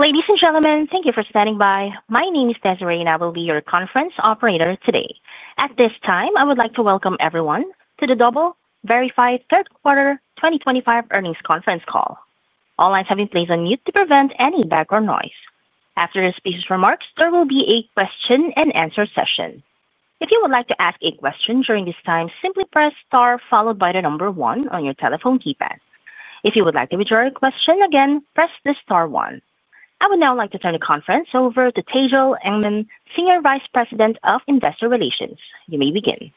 Ladies and gentlemen, thank you for standing by. My name is Desiree, and I will be your conference operator today. At this time, I would like to welcome everyone to the DoubleVerify Q3 2025 earnings conference call. All lines have been placed on mute to prevent any background noise. After this speech is remarked, there will be a question-and-answer session. If you would like to ask a question during this time, simply press star followed by the number one on your telephone keypad. If you would like to withdraw your question again, press the star one. I would now like to turn the conference over to Tejal Engman, Senior Vice President of Investor Relations. You may begin.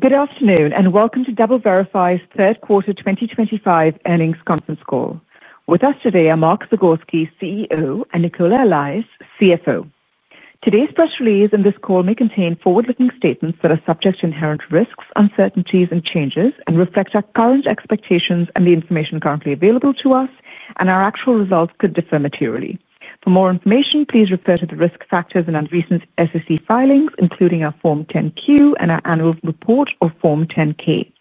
Good afternoon, and welcome to DoubleVerify Q3 2025 earnings conference call. With us today are Mark Zagorski, CEO, and Nicola Allais, CFO. Today's press release and this call may contain forward-looking statements that are subject to inherent risks, uncertainties, and changes, and reflect our current expectations and the information currently available to us, and our actual results could differ materially. For more information, please refer to the risk factors and recent SEC filings, including our Form 10-Q and our annual report, or Form 10-K.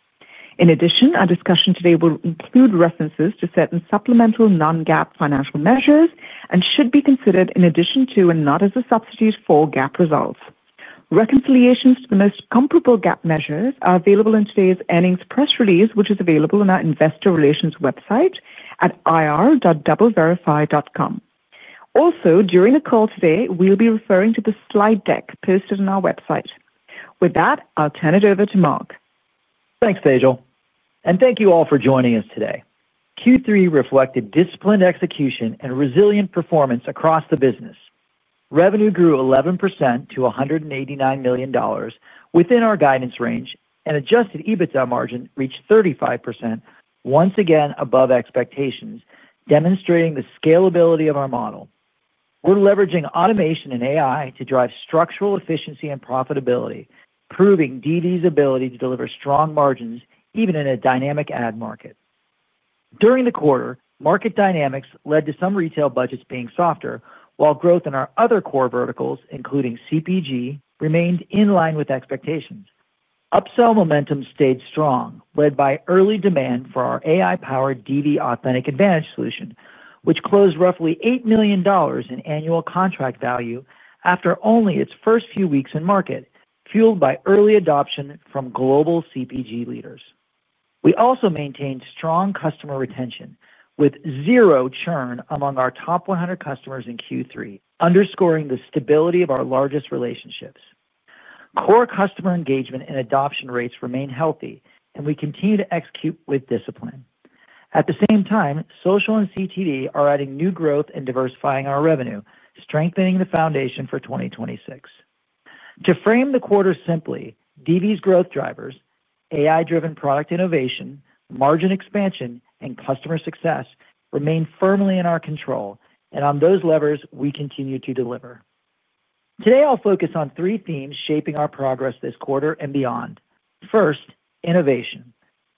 In addition, our discussion today will include references to certain supplemental non-GAAP financial measures and should be considered in addition to and not as a substitute for GAAP results. Reconciliations to the most comparable GAAP measures are available in today's earnings press release, which is available on our Investor Relations website at ir.doubleverify.com. Also, during the call today, we'll be referring to the slide deck posted on our website. With that, I'll turn it over to Mark. Thanks, Tejal, and thank you all for joining us today. Q3 reflected disciplined execution and resilient performance across the business. Revenue grew 11% to $189 million within our guidance range, and adjusted EBITDA margin reached 35%, once again above expectations, demonstrating the scalability of our model. We're leveraging automation and AI to drive structural efficiency and profitability, proving DV's ability to deliver strong margins even in a dynamic ad market. During the quarter, market dynamics led to some retail budgets being softer, while growth in our other core verticals, including CPG, remained in line with expectations. Upsell momentum stayed strong, led by early demand for our AI-powered DV Authentic AdVantage solution, which closed roughly $8 million in annual contract value after only its first few weeks in market, fueled by early adoption from global CPG leaders. We also maintained strong customer retention, with zero churn among our top 100 customers in Q3, underscoring the stability of our largest relationships. Core customer engagement and adoption rates remain healthy, and we continue to execute with discipline. At the same time, social and CTV are adding new growth and diversifying our revenue, strengthening the foundation for 2026. To frame the quarter simply, DV's growth drivers, AI-driven product innovation, margin expansion, and customer success remain firmly in our control, and on those levers, we continue to deliver. Today, I'll focus on three themes shaping our progress this quarter and beyond. First, innovation: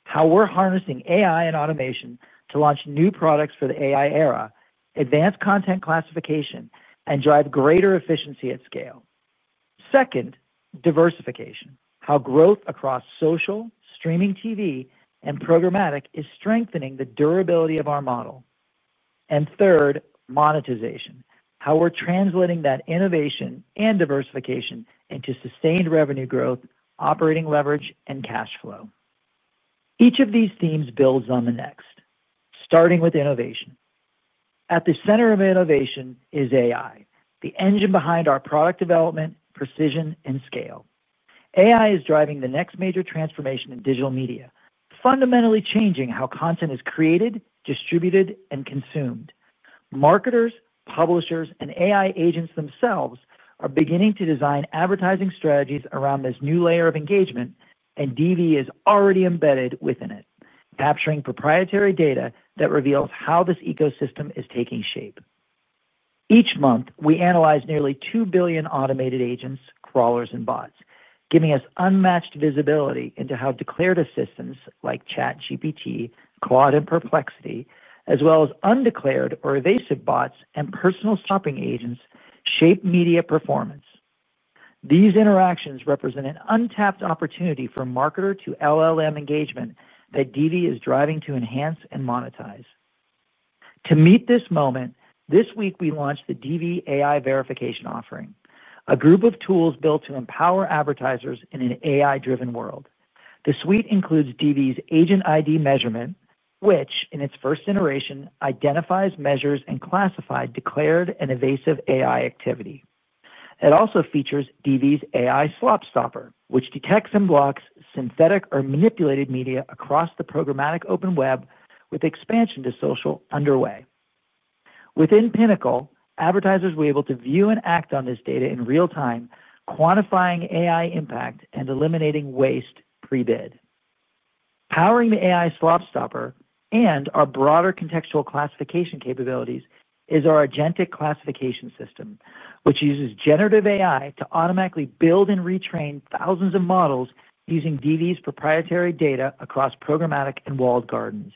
how we're harnessing AI and automation to launch new products for the AI era, advance content classification, and drive greater efficiency at scale. Second, diversification: how growth across social, streaming TV, and programmatic is strengthening the durability of our model. Third, monetization: how we're translating that innovation and diversification into sustained revenue growth, operating leverage, and cash flow. Each of these themes builds on the next, starting with innovation. At the center of innovation is AI, the engine behind our product development, precision, and scale. AI is driving the next major transformation in digital media, fundamentally changing how content is created, distributed, and consumed. Marketers, publishers, and AI agents themselves are beginning to design advertising strategies around this new layer of engagement, and DV is already embedded within it, capturing proprietary data that reveals how this ecosystem is taking shape. Each month, we analyze nearly 2 billion automated agents, crawlers, and bots, giving us unmatched visibility into how declared assistants like ChatGPT, Claude, and Perplexity, as well as undeclared or evasive bots and personal shopping agents, shape media performance. These interactions represent an untapped opportunity for marketer-to-LLM engagement that DV is driving to enhance and monetize. To meet this moment, this week we launched the DV AI Verification offering, a group of tools built to empower advertisers in an AI-driven world. The suite includes DV's Agent ID Measurement, which, in its first iteration, identifies, measures, and classifies declared and evasive AI activity. It also features DV's AI SlopStopper, which detects and blocks synthetic or manipulated media across the programmatic open web, with expansion to social underway. Within Pinnacle, advertisers were able to view and act on this data in real time, quantifying AI impact and eliminating waste pre-bid. Powering the AI SlopStopper and our broader contextual classification capabilities is our Agentic Classification System, which uses generative AI to automatically build and retrain thousands of models using DV's proprietary data across programmatic and walled gardens.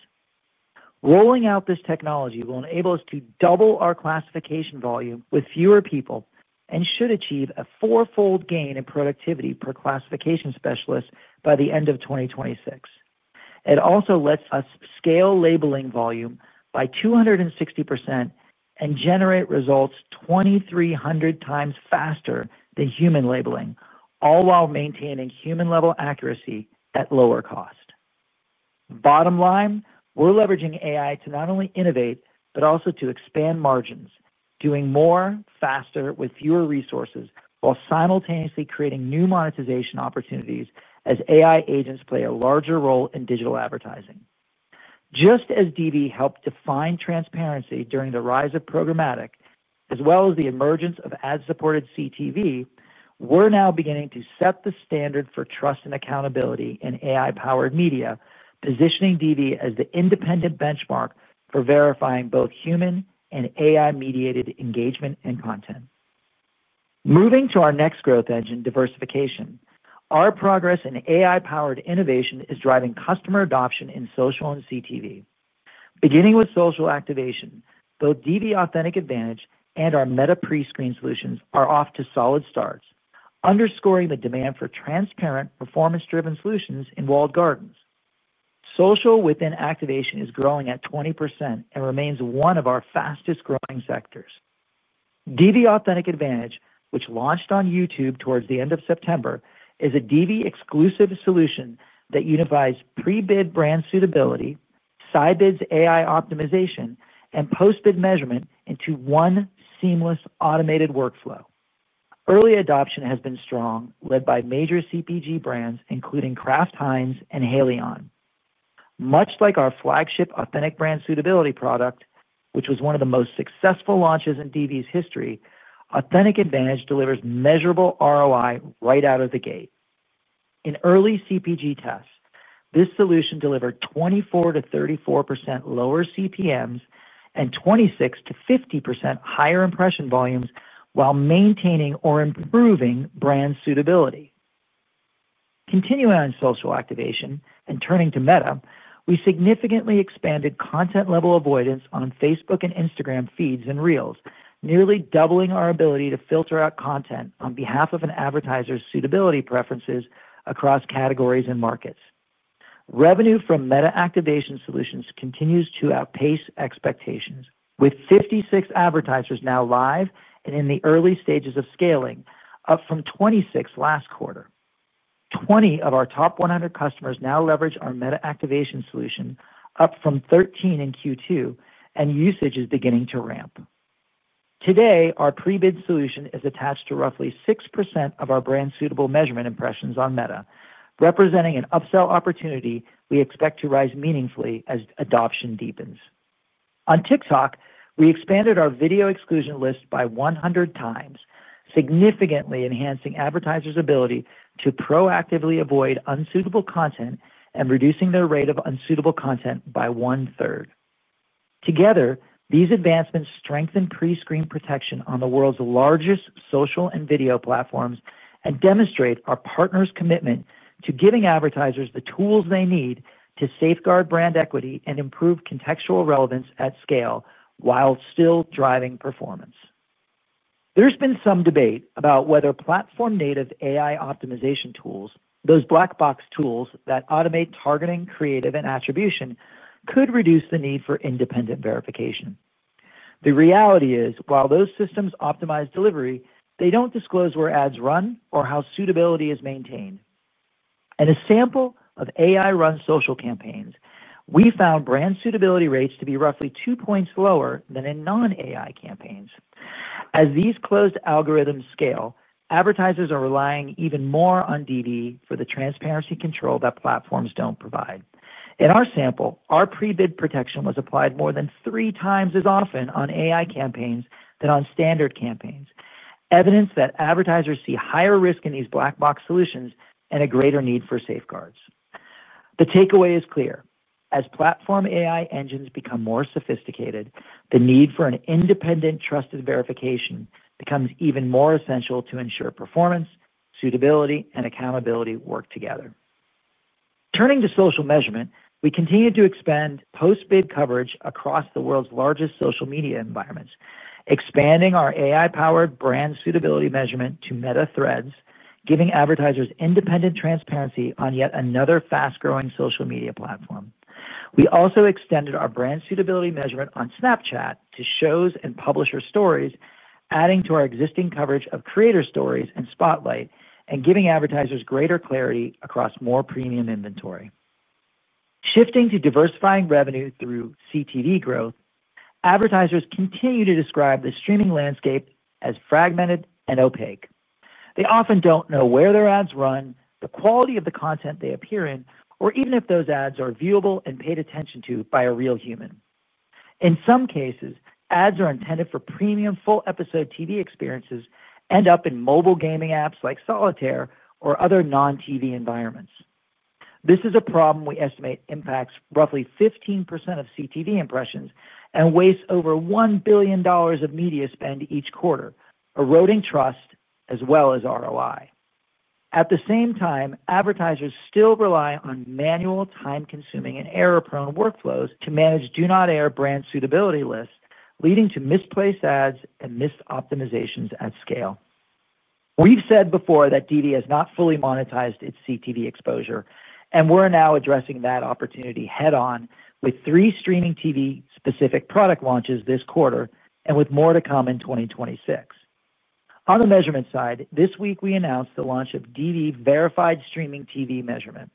Rolling out this technology will enable us to double our classification volume with fewer people and should achieve a four-fold gain in productivity per classification specialist by the end of 2026. It also lets us scale labeling volume by 260% and generate results 2,300 times faster than human labeling, all while maintaining human-level accuracy at lower cost. Bottom line, we're leveraging AI to not only innovate but also to expand margins, doing more, faster, with fewer resources, while simultaneously creating new monetization opportunities as AI agents play a larger role in digital advertising. Just as DV helped define transparency during the rise of programmatic, as well as the emergence of ad-supported CTV, we're now beginning to set the standard for trust and accountability in AI-powered media, positioning DV as the independent benchmark for verifying both human and AI-mediated engagement and content. Moving to our next growth engine, diversification, our progress in AI-powered innovation is driving customer adoption in social and CTV. Beginning with social activation, both DV Authentic AdVantage and our Meta Pre-screen solutions are off to solid starts, underscoring the demand for transparent, performance-driven solutions in walled gardens. Social within activation is growing at 20% and remains one of our fastest-growing sectors. DV Authentic AdVantage, which launched on YouTube towards the end of September, is a DV-exclusive solution that unifies pre-bid brand suitability, Scibids AI optimization, and post-bid measurement into one seamless automated workflow. Early adoption has been strong, led by major CPG brands, including Kraft Heinz and Haleon. Much like our flagship Authentic Brand Suitability product, which was one of the most successful launches in DV's history, Authentic AdVantage delivers measurable ROI right out of the gate. In early CPG tests, this solution delivered 24%-34% lower CPMs and 26%-50% higher impression volumes while maintaining or improving brand suitability. Continuing on social activation and turning to Meta, we significantly expanded content-level avoidance on Facebook and Instagram feeds and reels, nearly doubling our ability to filter out content on behalf of an advertiser's suitability preferences across categories and markets. Revenue from Meta activation solutions continues to outpace expectations, with 56 advertisers now live and in the early stages of scaling, up from 26 last quarter. 20 of our top 100 customers now leverage our Meta activation solution, up from 13 in Q2, and usage is beginning to ramp. Today, our pre-bid solution is attached to roughly 6% of our brand-suitable measurement impressions on Meta, representing an upsell opportunity we expect to rise meaningfully as adoption deepens. On TikTok, we expanded our video exclusion list by 100 times, significantly enhancing advertisers' ability to proactively avoid unsuitable content and reducing their rate of unsuitable content by one-third. Together, these advancements strengthen pre-screen protection on the world's largest social and video platforms and demonstrate our partners' commitment to giving advertisers the tools they need to safeguard brand equity and improve contextual relevance at scale while still driving performance. There's been some debate about whether platform-native AI optimization tools, those black box tools that automate targeting, creative, and attribution, could reduce the need for independent verification. The reality is, while those systems optimize delivery, they don't disclose where ads run or how suitability is maintained. In a sample of AI-run social campaigns, we found brand suitability rates to be roughly two points lower than in non-AI campaigns. As these closed algorithms scale, advertisers are relying even more on DV for the transparency control that platforms don't provide. In our sample, our pre-bid protection was applied more than three times as often on AI campaigns than on standard campaigns, evidence that advertisers see higher risk in these black box solutions and a greater need for safeguards. The takeaway is clear: as platform AI engines become more sophisticated, the need for an independent, trusted verification becomes even more essential to ensure performance, suitability, and accountability work together. Turning to social measurement, we continue to expand post-bid coverage across the world's largest social media environments, expanding our AI-powered brand suitability measurement to Meta Threads, giving advertisers independent transparency on yet another fast-growing social media platform. We also extended our brand suitability measurement on Snapchat to shows and publisher stories, adding to our existing coverage of Creator Stories and Spotlight, and giving advertisers greater clarity across more premium inventory. Shifting to diversifying revenue through CTV growth, advertisers continue to describe the streaming landscape as fragmented and opaque. They often do not know where their ads run, the quality of the content they appear in, or even if those ads are viewable and paid attention to by a real human. In some cases, ads are intended for premium full-episode TV experiences and end up in mobile gaming apps like Solitaire or other non-TV environments. This is a problem we estimate impacts roughly 15% of CTV impressions and wastes over $1 billion of media spend each quarter, eroding trust as well as ROI. At the same time, advertisers still rely on manual, time-consuming, and error-prone workflows to manage do-not-air brand suitability lists, leading to misplaced ads and missed optimizations at scale. We've said before that DV has not fully monetized its CTV exposure, and we're now addressing that opportunity head-on with three streaming TV-specific product launches this quarter and with more to come in 2026. On the measurement side, this week we announced the launch of DV Verified Streaming TV Measurement,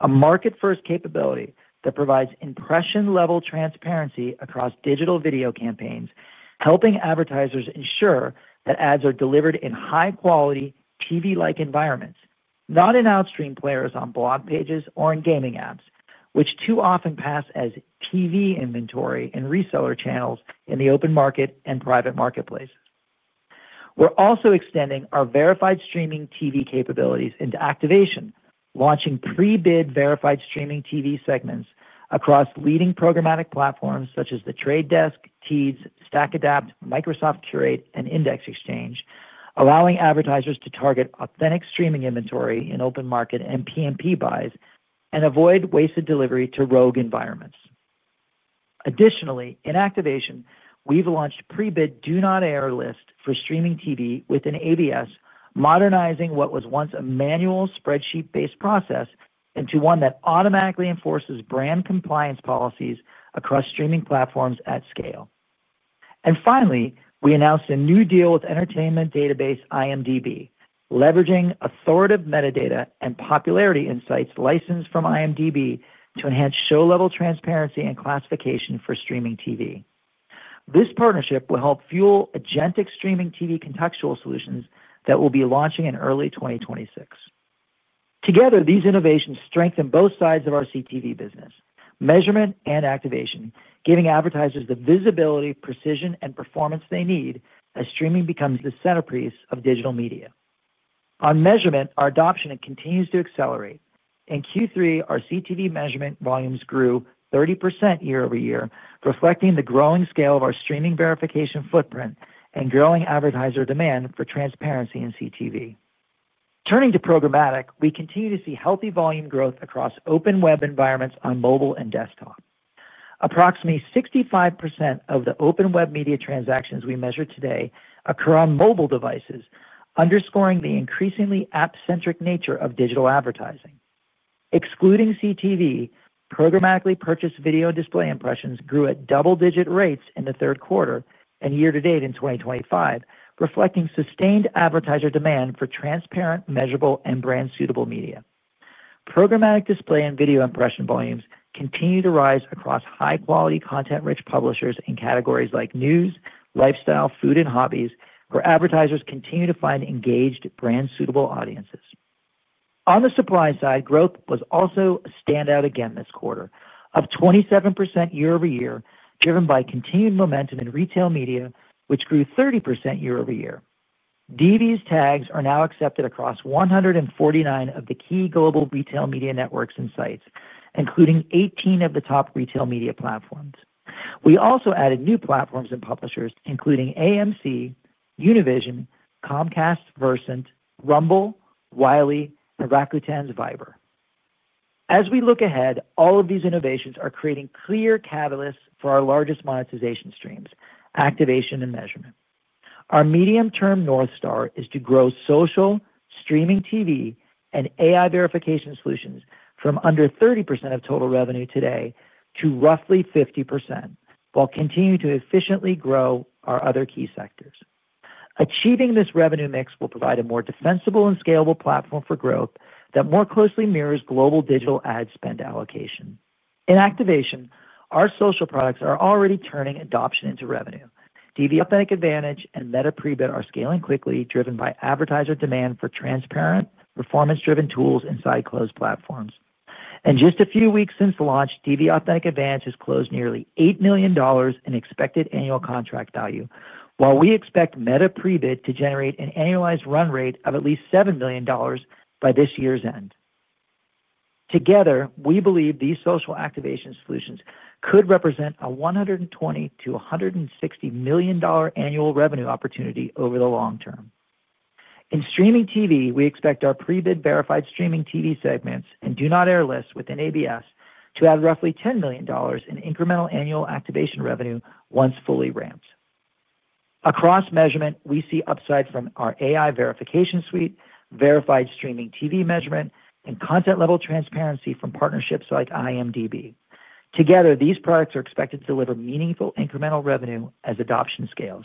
a market-first capability that provides impression-level transparency across digital video campaigns, helping advertisers ensure that ads are delivered in high-quality, TV-like environments, not in outstream players on blog pages or in gaming apps, which too often pass as TV inventory in reseller channels in the open market and private marketplace. We're also extending our Verified Streaming TV capabilities into activation, launching pre-bid Verified Streaming TV segments across leading programmatic platforms such as The Trade Desk, Teads, StackAdapt, Microsoft Curate, and Index Exchange, allowing advertisers to target authentic streaming inventory in open market and PMP buys and avoid wasted delivery to rogue environments. Additionally, in activation, we've launched pre-bid do-not-air lists for streaming TV within AVS, modernizing what was once a manual spreadsheet-based process into one that automatically enforces brand compliance policies across streaming platforms at scale. Finally, we announced a new deal with entertainment database IMDb, leveraging authoritative metadata and popularity insights licensed from IMDb to enhance show-level transparency and classification for streaming TV. This partnership will help fuel agentic streaming TV contextual solutions that we'll be launching in early 2026. Together, these innovations strengthen both sides of our CTV business: measurement and activation, giving advertisers the visibility, precision, and performance they need as streaming becomes the centerpiece of digital media. On measurement, our adoption continues to accelerate. In Q3, our CTV measurement volumes grew 30% year over year, reflecting the growing scale of our streaming verification footprint and growing advertiser demand for transparency in CTV. Turning to programmatic, we continue to see healthy volume growth across open web environments on mobile and desktop. Approximately 65% of the open web media transactions we measure today occur on mobile devices, underscoring the increasingly app-centric nature of digital advertising. Excluding CTV, programmatically purchased video display impressions grew at double-digit rates in the third quarter and year-to-date in 2023, reflecting sustained advertiser demand for transparent, measurable, and brand-suitable media. Programmatic display and video impression volumes continue to rise across high-quality, content-rich publishers in categories like news, lifestyle, food, and hobbies, where advertisers continue to find engaged, brand-suitable audiences. On the supply side, growth was also a standout again this quarter, up 27% year over year, driven by continued momentum in retail media, which grew 30% year over year. DV's tags are now accepted across 149 of the key global retail media networks and sites, including 18 of the top retail media platforms. We also added new platforms and publishers, including AMC, Univision, Comcast, Versant, Rumble, Wiley, and Rakuten's Viber. As we look ahead, all of these innovations are creating clear catalysts for our largest monetization streams: activation and measurement. Our medium-term north star is to grow social, streaming TV, and AI verification solutions from under 30% of total revenue today to roughly 50%, while continuing to efficiently grow our other key sectors. Achieving this revenue mix will provide a more defensible and scalable platform for growth that more closely mirrors global digital ad spend allocation. In activation, our social products are already turning adoption into revenue. DV Authentic AdVantage and Meta Pre-Bid are scaling quickly, driven by advertiser demand for transparent, performance-driven tools inside closed platforms. In just a few weeks since the launch, DV Authentic AdVantage has closed nearly $8 million in expected annual contract value, while we expect Meta Pre-Bid to generate an annualized run rate of at least $7 million by this year's end. Together, we believe these social activation solutions could represent a $120 million-$160 million annual revenue opportunity over the long term. In streaming TV, we expect our pre-bid verified streaming TV segments and do-not-air lists within AVS to add roughly $10 million in incremental annual activation revenue once fully ramped. Across measurement, we see upside from our AI verification suite, verified streaming TV measurement, and content-level transparency from partnerships like IMDb. Together, these products are expected to deliver meaningful incremental revenue as adoption scales.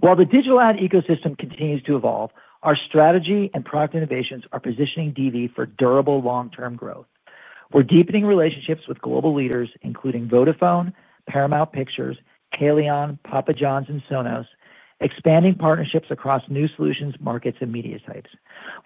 While the digital ad ecosystem continues to evolve, our strategy and product innovations are positioning DV for durable long-term growth. We're deepening relationships with global leaders, including Vodafone, Paramount Pictures, Haleon, Papa John's, and Sonos, expanding partnerships across new solutions, markets, and media types.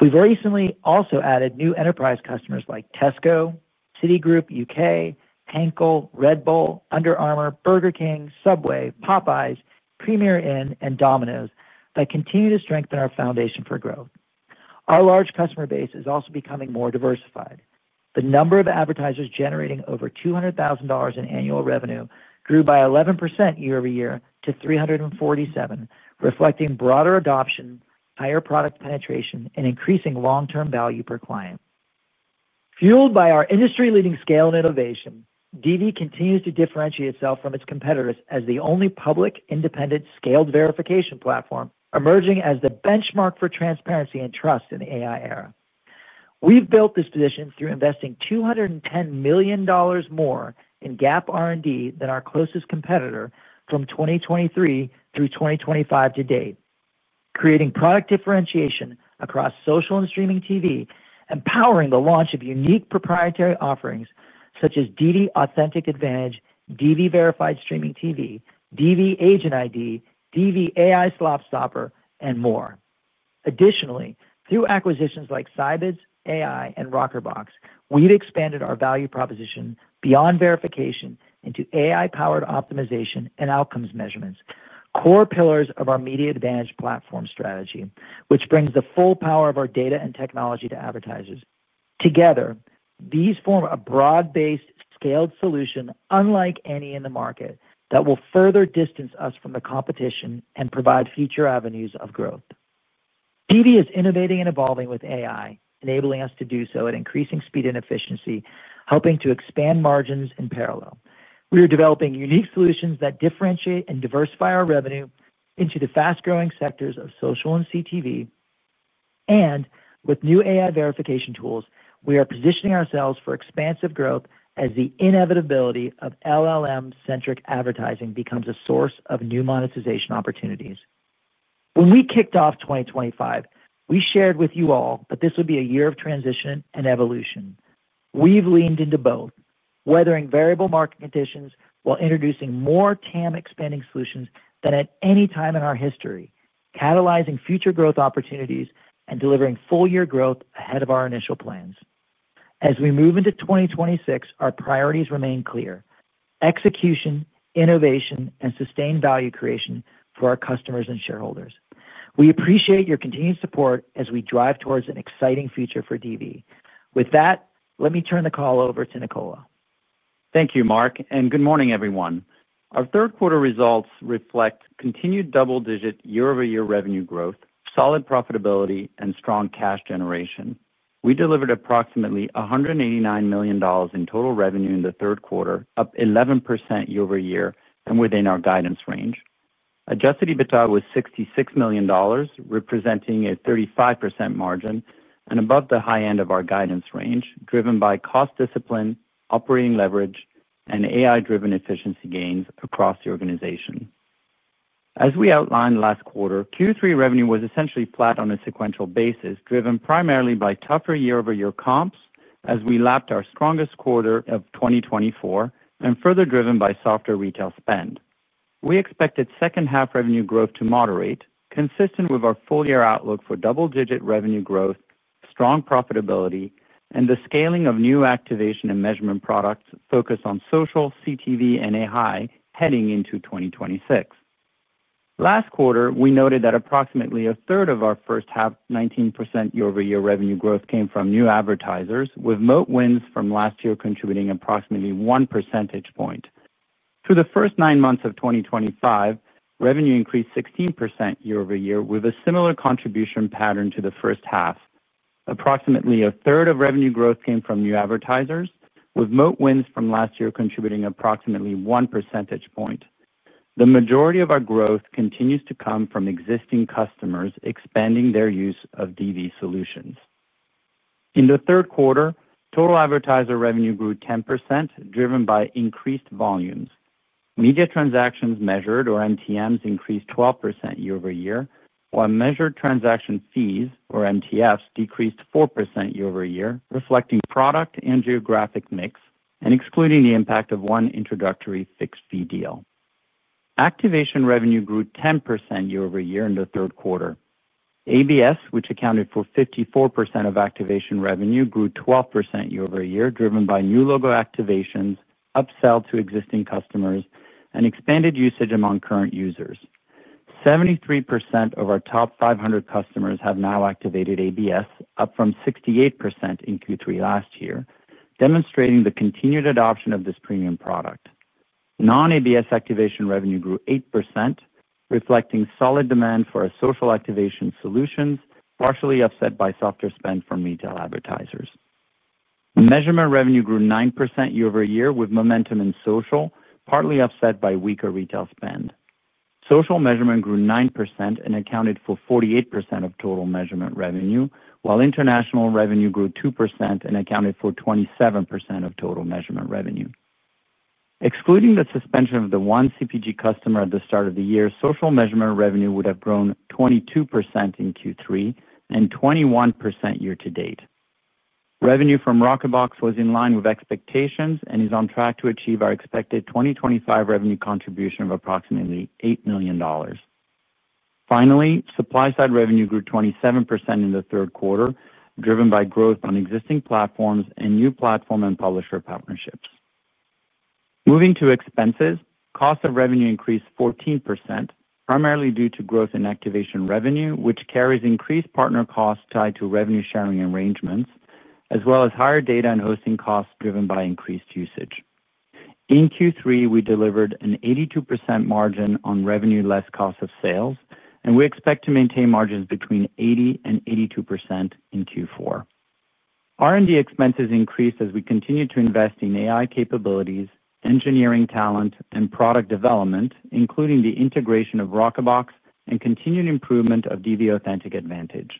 We've recently also added new enterprise customers like Tesco, Citigroup U.K., Henkel, Red Bull, Under Armour, Burger King, Subway, Popeyes, Premier Inn, and Domino's that continue to strengthen our foundation for growth. Our large customer base is also becoming more diversified. The number of advertisers generating over $200,000 in annual revenue grew by 11% year over year to 347, reflecting broader adoption, higher product penetration, and increasing long-term value per client. Fueled by our industry-leading scale and innovation, DV continues to differentiate itself from its competitors as the only public, independent, scaled verification platform emerging as the benchmark for transparency and trust in the AI era. We have built this position through investing $210 million more in GAAP R&D than our closest competitor from 2023 through 2025 to date, creating product differentiation across social and streaming TV, empowering the launch of unique proprietary offerings such as DV Authentic AdVantage, DV Verified Streaming TV, DV Agent ID, DV AI SlopStopper, and more. Additionally, through acquisitions like Scibids AI and Rockerbox, we've expanded our value proposition beyond verification into AI-powered optimization and outcomes measurement, core pillars of our media advantage platform strategy, which brings the full power of our data and technology to advertisers. Together, these form a broad-based, scaled solution unlike any in the market that will further distance us from the competition and provide future avenues of growth. DV is innovating and evolving with AI, enabling us to do so at increasing speed and efficiency, helping to expand margins in parallel. We are developing unique solutions that differentiate and diversify our revenue into the fast-growing sectors of social and CTV, and with new AI verification tools, we are positioning ourselves for expansive growth as the inevitability of LLM-centric advertising becomes a source of new monetization opportunities. When we kicked off 2025, we shared with you all that this would be a year of transition and evolution. We've leaned into both, weathering variable market conditions while introducing more TAM-expanding solutions than at any time in our history, catalyzing future growth opportunities and delivering full-year growth ahead of our initial plans. As we move into 2026, our priorities remain clear: execution, innovation, and sustained value creation for our customers and shareholders. We appreciate your continued support as we drive towards an exciting future for DV. With that, let me turn the call over to Nicola. Thank you, Mark, and good morning, everyone. Our third-quarter results reflect continued double-digit year-over-year revenue growth, solid profitability, and strong cash generation. We delivered approximately $189 million in total revenue in the third quarter, up 11% year-over-year and within our guidance range. Adjusted EBITDA was $66 million, representing a 35% margin and above the high end of our guidance range, driven by cost discipline, operating leverage, and AI-driven efficiency gains across the organization. As we outlined last quarter, Q3 revenue was essentially flat on a sequential basis, driven primarily by tougher year-over-year comps as we lapped our strongest quarter of 2024 and further driven by softer retail spend. We expected second-half revenue growth to moderate, consistent with our full-year outlook for double-digit revenue growth, strong profitability, and the scaling of new activation and measurement products focused on social, CTV, and AI heading into 2026. Last quarter, we noted that approximately a third of our first-half 19% year-over-year revenue growth came from new advertisers, with Moat wins from last year contributing approximately one percentage point. Through the first nine months of 2025, revenue increased 16% year-over-year with a similar contribution pattern to the first half. Approximately a third of revenue growth came from new advertisers, with moat wins from last year contributing approximately one percentage point. The majority of our growth continues to come from existing customers expanding their use of DV solutions. In the third quarter, total advertiser revenue grew 10%, driven by increased volumes. Media transactions measured, or MTMs, increased 12% year-over-year, while measured transaction fees, or MTFs, decreased 4% year-over-year, reflecting product and geographic mix and excluding the impact of one introductory fixed-fee deal. Activation revenue grew 10% year-over-year in the third quarter. ABS, which accounted for 54% of activation revenue, grew 12% year-over-year, driven by new logo activations, upsell to existing customers, and expanded usage among current users. 73% of our top 500 customers have now activated ABS, up from 68% in Q3 last year, demonstrating the continued adoption of this premium product. Non-ABS activation revenue grew 8%, reflecting solid demand for social activation solutions, partially upset by softer spend from retail advertisers. Measurement revenue grew 9% year-over-year with momentum in social, partly upset by weaker retail spend. Social measurement grew 9% and accounted for 48% of total measurement revenue, while international revenue grew 2% and accounted for 27% of total measurement revenue. Excluding the suspension of the one CPG customer at the start of the year, social measurement revenue would have grown 22% in Q3 and 21% year-to-date. Revenue from Rockerbox was in line with expectations and is on track to achieve our expected 2025 revenue contribution of approximately $8 million. Finally, supply-side revenue grew 27% in the third quarter, driven by growth on existing platforms and new platform and publisher partnerships. Moving to expenses, cost of revenue increased 14%, primarily due to growth in activation revenue, which carries increased partner costs tied to revenue-sharing arrangements, as well as higher data and hosting costs driven by increased usage. In Q3, we delivered an 82% margin on revenue-less cost of sales, and we expect to maintain margins between 80%-82% in Q4. R&D expenses increased as we continue to invest in AI capabilities, engineering talent, and product development, including the integration of Rockerbox and continued improvement of DV Authentic AdVantage.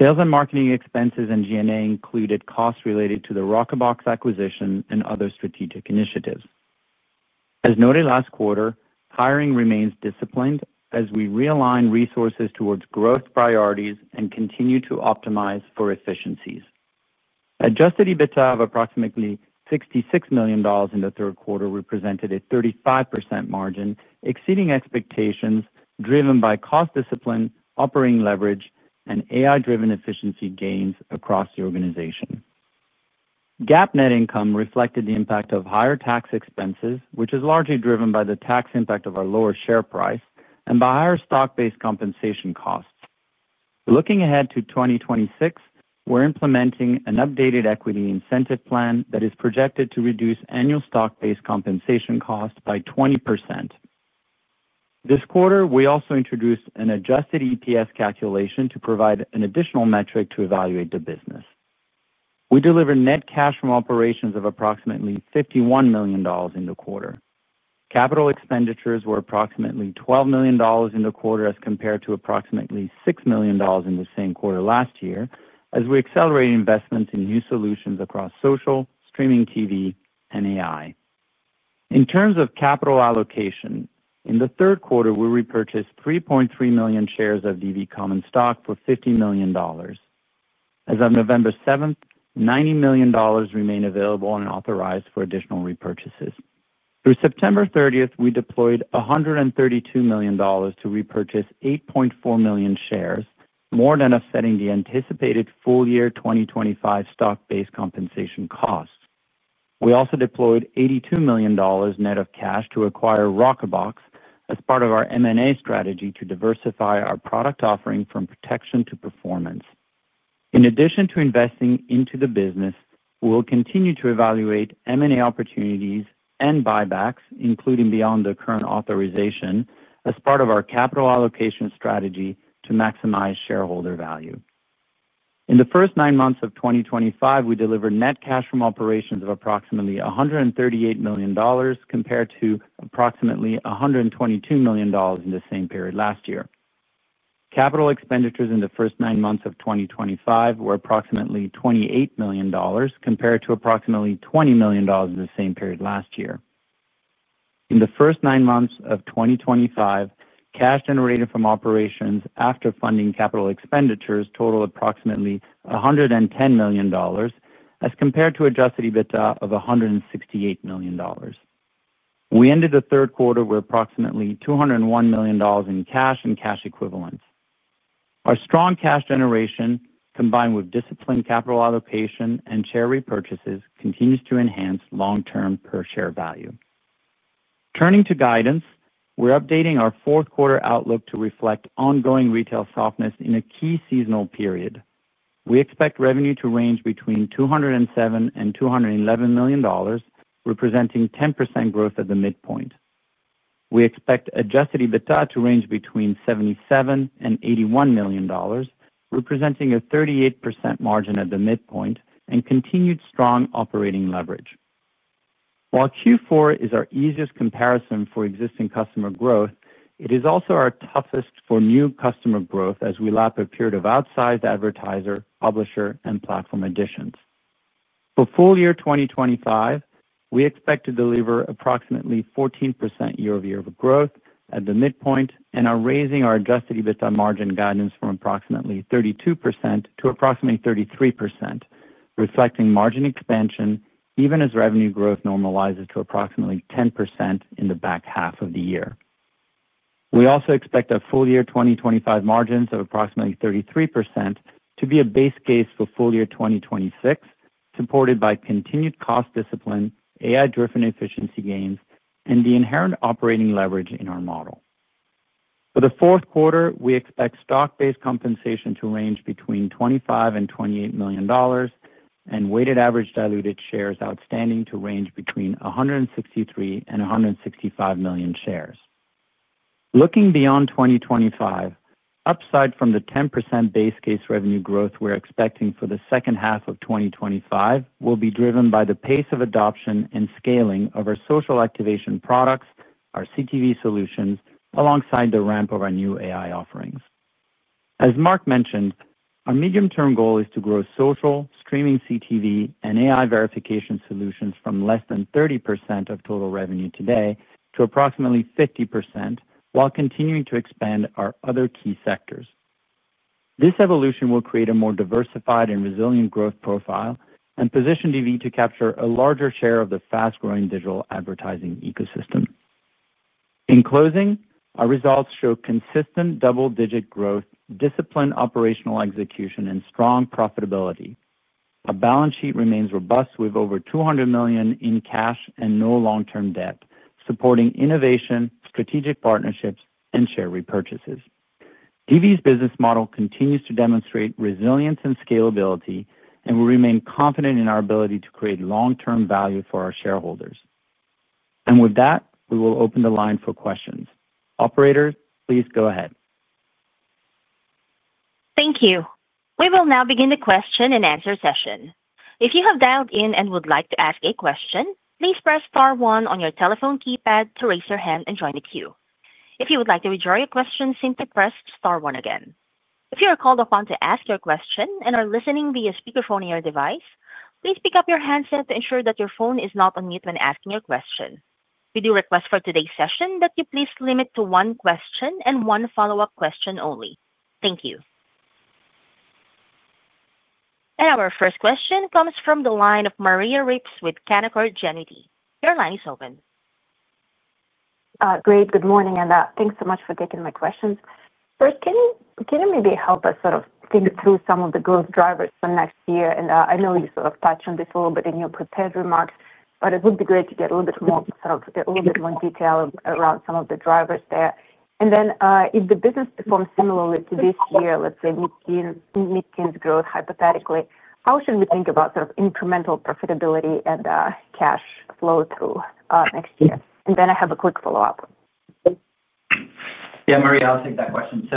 Sales and marketing expenses and G&A included costs related to the Rockerbox acquisition and other strategic initiatives. As noted last quarter, hiring remains disciplined as we realign resources towards growth priorities and continue to optimize for efficiencies. Adjusted EBITDA of approximately $66 million in the third quarter represented a 35% margin, exceeding expectations driven by cost discipline, operating leverage, and AI-driven efficiency gains across the organization. GAAP net income reflected the impact of higher tax expenses, which is largely driven by the tax impact of our lower share price and by higher stock-based compensation costs. Looking ahead to 2026, we're implementing an updated equity incentive plan that is projected to reduce annual stock-based compensation costs by 20%. This quarter, we also introduced an adjusted EPS calculation to provide an additional metric to evaluate the business. We delivered net cash from operations of approximately $51 million in the quarter. Capital expenditures were approximately $12 million in the quarter as compared to approximately $6 million in the same quarter last year, as we accelerate investments in new solutions across social, streaming TV, and AI. In terms of capital allocation, in the third quarter, we repurchased 3.3 million shares of DV Common Stock for $50 million. As of November 7, $90 million remained available and authorized for additional repurchases. Through September 30, we deployed $132 million to repurchase 8.4 million shares, more than offsetting the anticipated full-year 2025 stock-based compensation costs. We also deployed $82 million net of cash to acquire Rockerbox as part of our M&A strategy to diversify our product offering from protection to performance. In addition to investing into the business, we will continue to evaluate M&A opportunities and buybacks, including beyond the current authorization, as part of our capital allocation strategy to maximize shareholder value. In the first nine months of 2025, we delivered net cash from operations of approximately $138 million compared to approximately $122 million in the same period last year. Capital expenditures in the first nine months of 2025 were approximately $28 million compared to approximately $20 million in the same period last year. In the first nine months of 2025, cash generated from operations after funding capital expenditures totaled approximately $110 million as compared to adjusted EBITDA of $168 million. We ended the third quarter with approximately $201 million in cash and cash equivalents. Our strong cash generation, combined with disciplined capital allocation and share repurchases, continues to enhance long-term per-share value. Turning to guidance, we're updating our fourth-quarter outlook to reflect ongoing retail softness in a key seasonal period. We expect revenue to range between $207 million-$211 million, representing 10% growth at the midpoint. We expect adjusted EBITDA to range between $77 million-$81 million, representing a 38% margin at the midpoint and continued strong operating leverage. While Q4 is our easiest comparison for existing customer growth, it is also our toughest for new customer growth as we lap a period of outsized advertiser, publisher, and platform additions. For full-year 2025, we expect to deliver approximately 14% year-over-year growth at the midpoint and are raising our adjusted EBITDA margin guidance from approximately 32% to approximately 33%, reflecting margin expansion even as revenue growth normalizes to approximately 10% in the back half of the year. We also expect our full-year 2025 margins of approximately 33% to be a base case for full-year 2026, supported by continued cost discipline, AI-driven efficiency gains, and the inherent operating leverage in our model. For the fourth quarter, we expect stock-based compensation to range between $25 million-$28 million and weighted average diluted shares outstanding to range between 163 million-165 million shares. Looking beyond 2025, upside from the 10% base case revenue growth we're expecting for the second half of 2025 will be driven by the pace of adoption and scaling of our social activation products, our CTV solutions, alongside the ramp of our new AI offerings. As Mark mentioned, our medium-term goal is to grow social, streaming CTV, and AI verification solutions from less than 30% of total revenue today to approximately 50% while continuing to expand our other key sectors. This evolution will create a more diversified and resilient growth profile and position DV to capture a larger share of the fast-growing digital advertising ecosystem. In closing, our results show consistent double-digit growth, disciplined operational execution, and strong profitability. Our balance sheet remains robust with over $200 million in cash and no long-term debt, supporting innovation, strategic partnerships, and share repurchases. DV's business model continues to demonstrate resilience and scalability, and we remain confident in our ability to create long-term value for our shareholders. With that, we will open the line for questions. Operator, please go ahead. Thank you. We will now begin the question-and-answer session. If you have dialed in and would like to ask a question, please press Star 1 on your telephone keypad to raise your hand and join the queue. If you would like to withdraw your question, simply press Star 1 again. If you are called upon to ask your question and are listening via speakerphone on your device, please pick up your handset to ensure that your phone is not on mute when asking your question. We do request for today's session that you please limit to one question and one follow-up question only. Thank you. Our first question comes from the line of Maria Ripps with Canaccord Genuity. Your line is open. Great. Good morning, and thanks so much for taking my questions. First, can you maybe help us sort of think through some of the growth drivers for next year? I know you sort of touched on this a little bit in your prepared remarks, but it would be great to get a little bit more, sort of a little bit more detail around some of the drivers there. If the business performs similarly to this year, let's say mid-teens growth hypothetically, how should we think about sort of incremental profitability and cash flow through next year? I have a quick follow-up. Yeah, Maria, I'll take that question.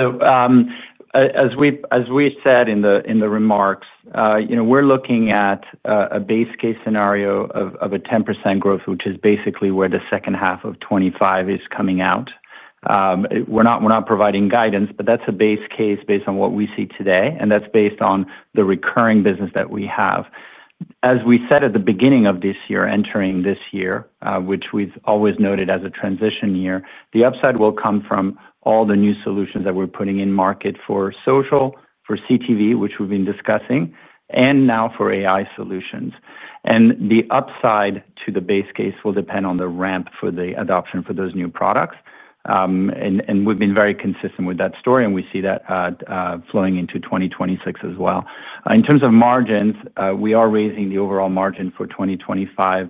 As we said in the remarks, we're looking at a base case scenario of a 10% growth, which is basically where the second half of 2025 is coming out. We're not providing guidance, but that's a base case based on what we see today, and that's based on the recurring business that we have. As we said at the beginning of this year, entering this year, which we've always noted as a transition year, the upside will come from all the new solutions that we're putting in market for social, for CTV, which we've been discussing, and now for AI solutions. The upside to the base case will depend on the ramp for the adoption for those new products. We've been very consistent with that story, and we see that flowing into 2026 as well. In terms of margins, we are raising the overall margin for 2025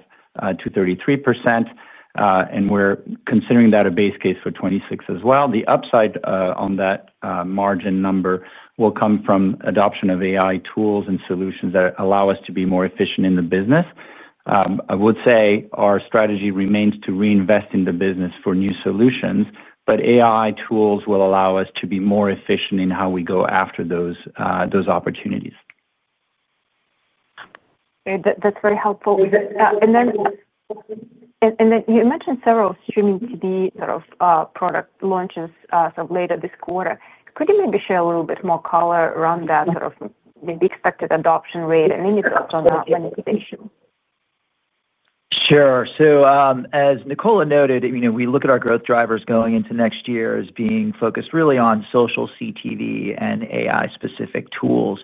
to 33%, and we're considering that a base case for 2026 as well. The upside on that margin number will come from adoption of AI tools and solutions that allow us to be more efficient in the business. I would say our strategy remains to reinvest in the business for new solutions, but AI tools will allow us to be more efficient in how we go after those opportunities. That's very helpful. You mentioned several streaming TV sort of product launches sort of later this quarter. Could you maybe share a little bit more color around that, sort of maybe expected adoption rate and any thoughts on that when it's stationed? Sure. As Nicola noted, we look at our growth drivers going into next year as being focused really on social, CTV, and AI-specific tools.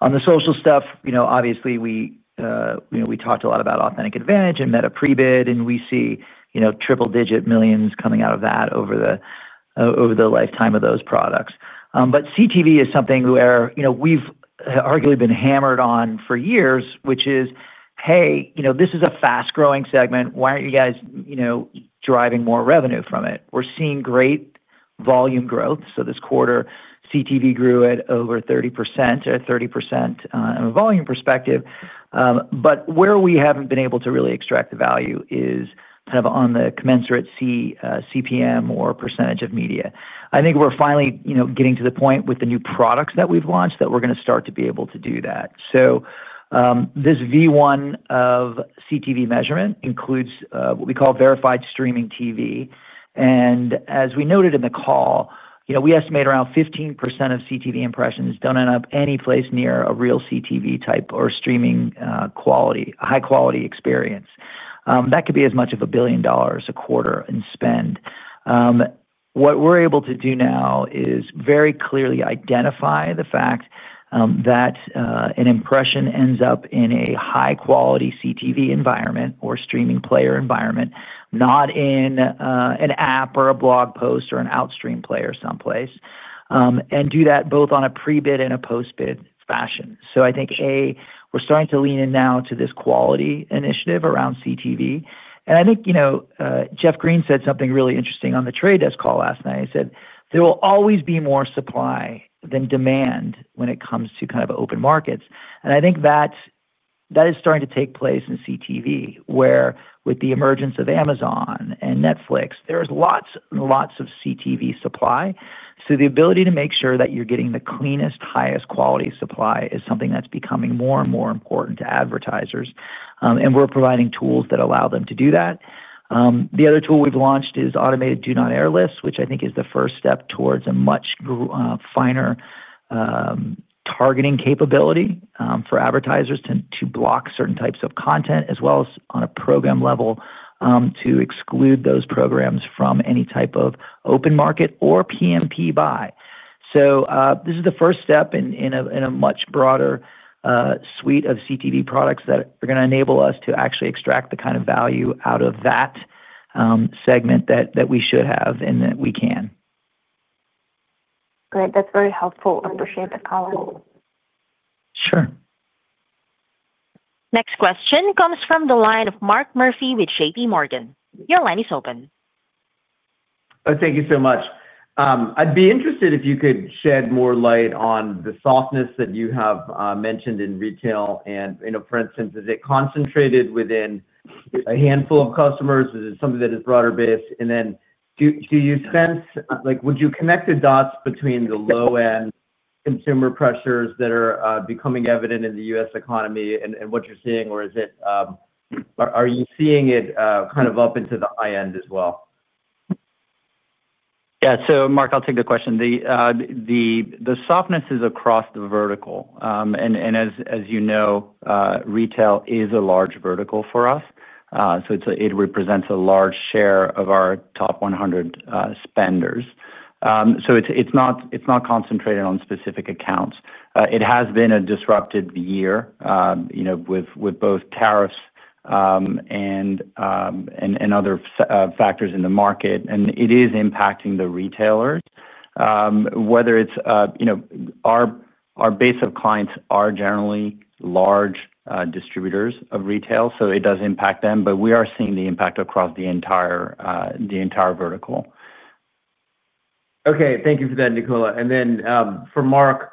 On the social stuff, obviously, we talked a lot about Authentic AdVantage and Meta Pre-Bid, and we see triple-digit millions coming out of that over the lifetime of those products. CTV is something where we've arguably been hammered on for years, which is, "Hey, this is a fast-growing segment. Why aren't you guys driving more revenue from it?" We're seeing great volume growth. This quarter, CTV grew at over 30% or 30% from a volume perspective. Where we haven't been able to really extract the value is kind of on the commensurate CPM or percentage of media. I think we're finally getting to the point with the new products that we've launched that we're going to start to be able to do that. This V1 of CTV measurement includes what we call Verified Streaming TV. As we noted in the call, we estimate around 15% of CTV impressions do not end up any place near a real CTV type or streaming quality, high-quality experience. That could be as much as $1 billion a quarter in spend. What we are able to do now is very clearly identify the fact that an impression ends up in a high-quality CTV environment or streaming player environment, not in an app or a blog post or an outstream player someplace, and do that both on a pre-bid and a post-bid fashion. I think, A, we are starting to lean in now to this quality initiative around CTV. I think Jeff Green said something really interesting on The Trade Desk call last night. He said, "There will always be more supply than demand when it comes to kind of open markets." I think that is starting to take place in CTV, where with the emergence of Amazon and Netflix, there is lots and lots of CTV supply. The ability to make sure that you're getting the cleanest, highest quality supply is something that's becoming more and more important to advertisers. We're providing tools that allow them to do that. The other tool we've launched is automated do-not-air lists, which I think is the first step towards a much finer targeting capability for advertisers to block certain types of content, as well as on a program level to exclude those programs from any type of open market or PMP buy. This is the first step in a much broader suite of CTV products that are going to enable us to actually extract the kind of value out of that segment that we should have and that we can. Great. That's very helpful. Appreciate the color. Sure. Next question comes from the line of Mark Murphy with J.P. Morgan. Your line is open. Thank you so much. I'd be interested if you could shed more light on the softness that you have mentioned in retail. For instance, is it concentrated within a handful of customers? Is it something that is broader-based? Do you sense, would you connect the dots between the low-end consumer pressures that are becoming evident in the U.S. economy and what you're seeing, or are you seeing it kind of up into the high end as well? Yeah. Mark, I'll take the question. The softness is across the vertical. As you know, retail is a large vertical for us. It represents a large share of our top 100 spenders. It is not concentrated on specific accounts. It has been a disrupted year with both tariffs and other factors in the market. It is impacting the retailers, whether it is our base of clients are generally large distributors of retail, so it does impact them, but we are seeing the impact across the entire vertical. Okay. Thank you for that, Nicola. For Mark,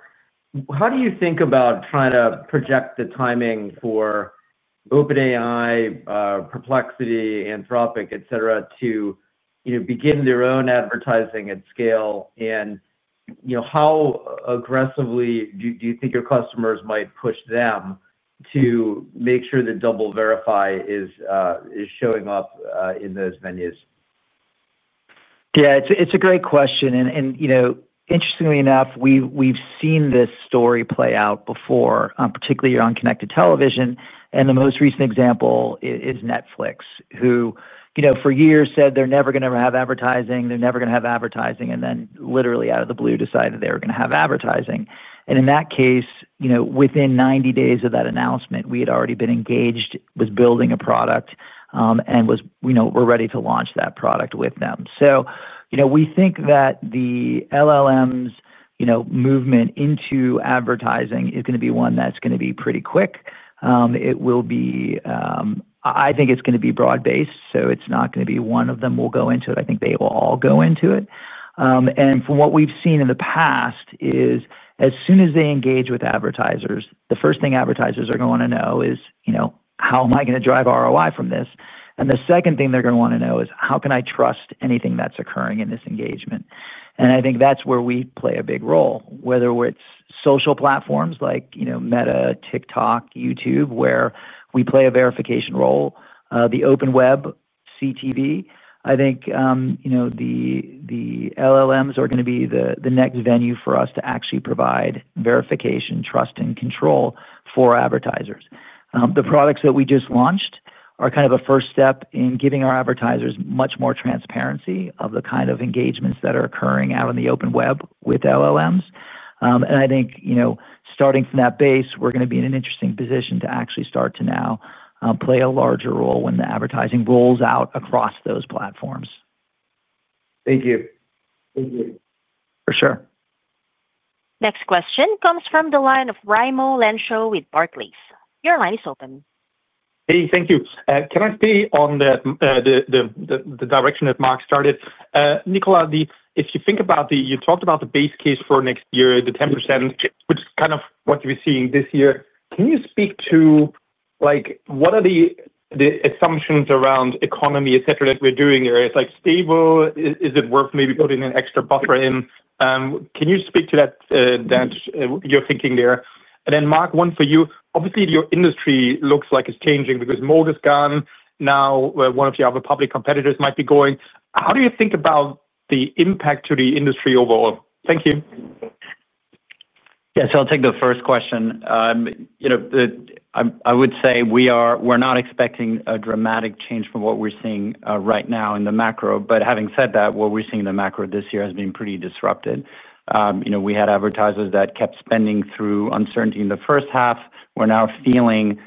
how do you think about trying to project the timing for OpenAI, Perplexity, Anthropic, etc., to begin their own advertising at scale? How aggressively do you think your customers might push them to make sure that DoubleVerify is showing up in those venues? Yeah. It is a great question. Interestingly enough, we've seen this story play out before, particularly on connected television. The most recent example is Netflix, who for years said they're never going to have advertising, they're never going to have advertising, and then literally out of the blue decided they were going to have advertising. In that case, within 90 days of that announcement, we had already been engaged with building a product and were ready to launch that product with them. We think that the LLMs movement into advertising is going to be one that's going to be pretty quick. It will be, I think it's going to be broad-based, so it's not going to be one of them will go into it. I think they will all go into it. From what we've seen in the past is as soon as they engage with advertisers, the first thing advertisers are going to want to know is, "How am I going to drive ROI from this?" The second thing they're going to want to know is, "How can I trust anything that's occurring in this engagement?" I think that's where we play a big role, whether it's social platforms like Meta, TikTok, YouTube, where we play a verification role. The open web, CTV, I think the LLMs are going to be the next venue for us to actually provide verification, trust, and control for advertisers. The products that we just launched are kind of a first step in giving our advertisers much more transparency of the kind of engagements that are occurring out on the open web with LLMs. I think starting from that base, we're going to be in an interesting position to actually start to now play a larger role when the advertising rolls out across those platforms. Thank you. Thank you. For sure. Next question comes from the line of Raimo Lenschow with Barclays. Your line is open. Hey, thank you. Can I stay on the direction that Mark started? Nicola, if you think about the you talked about the base case for next year, the 10%, which is kind of what you're seeing this year. Can you speak to what are the assumptions around economy, etc., that we're doing here? It's stable. Is it worth maybe putting an extra buffer in? Can you speak to that, your thinking there? And then Mark, one for you. Obviously, your industry looks like it's changing because Moat is gone. Now, one of your other public competitors might be going. How do you think about the impact to the industry overall? Thank you. Yeah. I'll take the first question. I would say we're not expecting a dramatic change from what we're seeing right now in the macro. Having said that, what we're seeing in the macro this year has been pretty disruptive. We had advertisers that kept spending through uncertainty in the first half. We're now feeling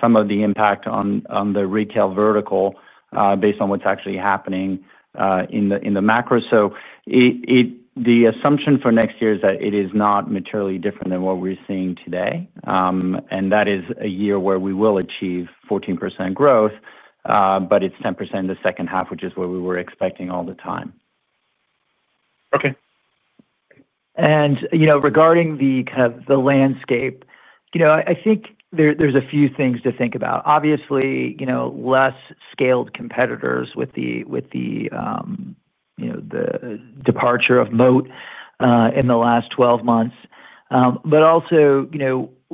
some of the impact on the retail vertical based on what's actually happening in the macro. The assumption for next year is that it is not materially different than what we're seeing today. That is a year where we will achieve 14% growth, but it's 10% in the second half, which is what we were expecting all the time. Okay. Regarding the kind of the landscape, I think there's a few things to think about. Obviously, less scaled competitors with the departure of Moat in the last 12 months. Also,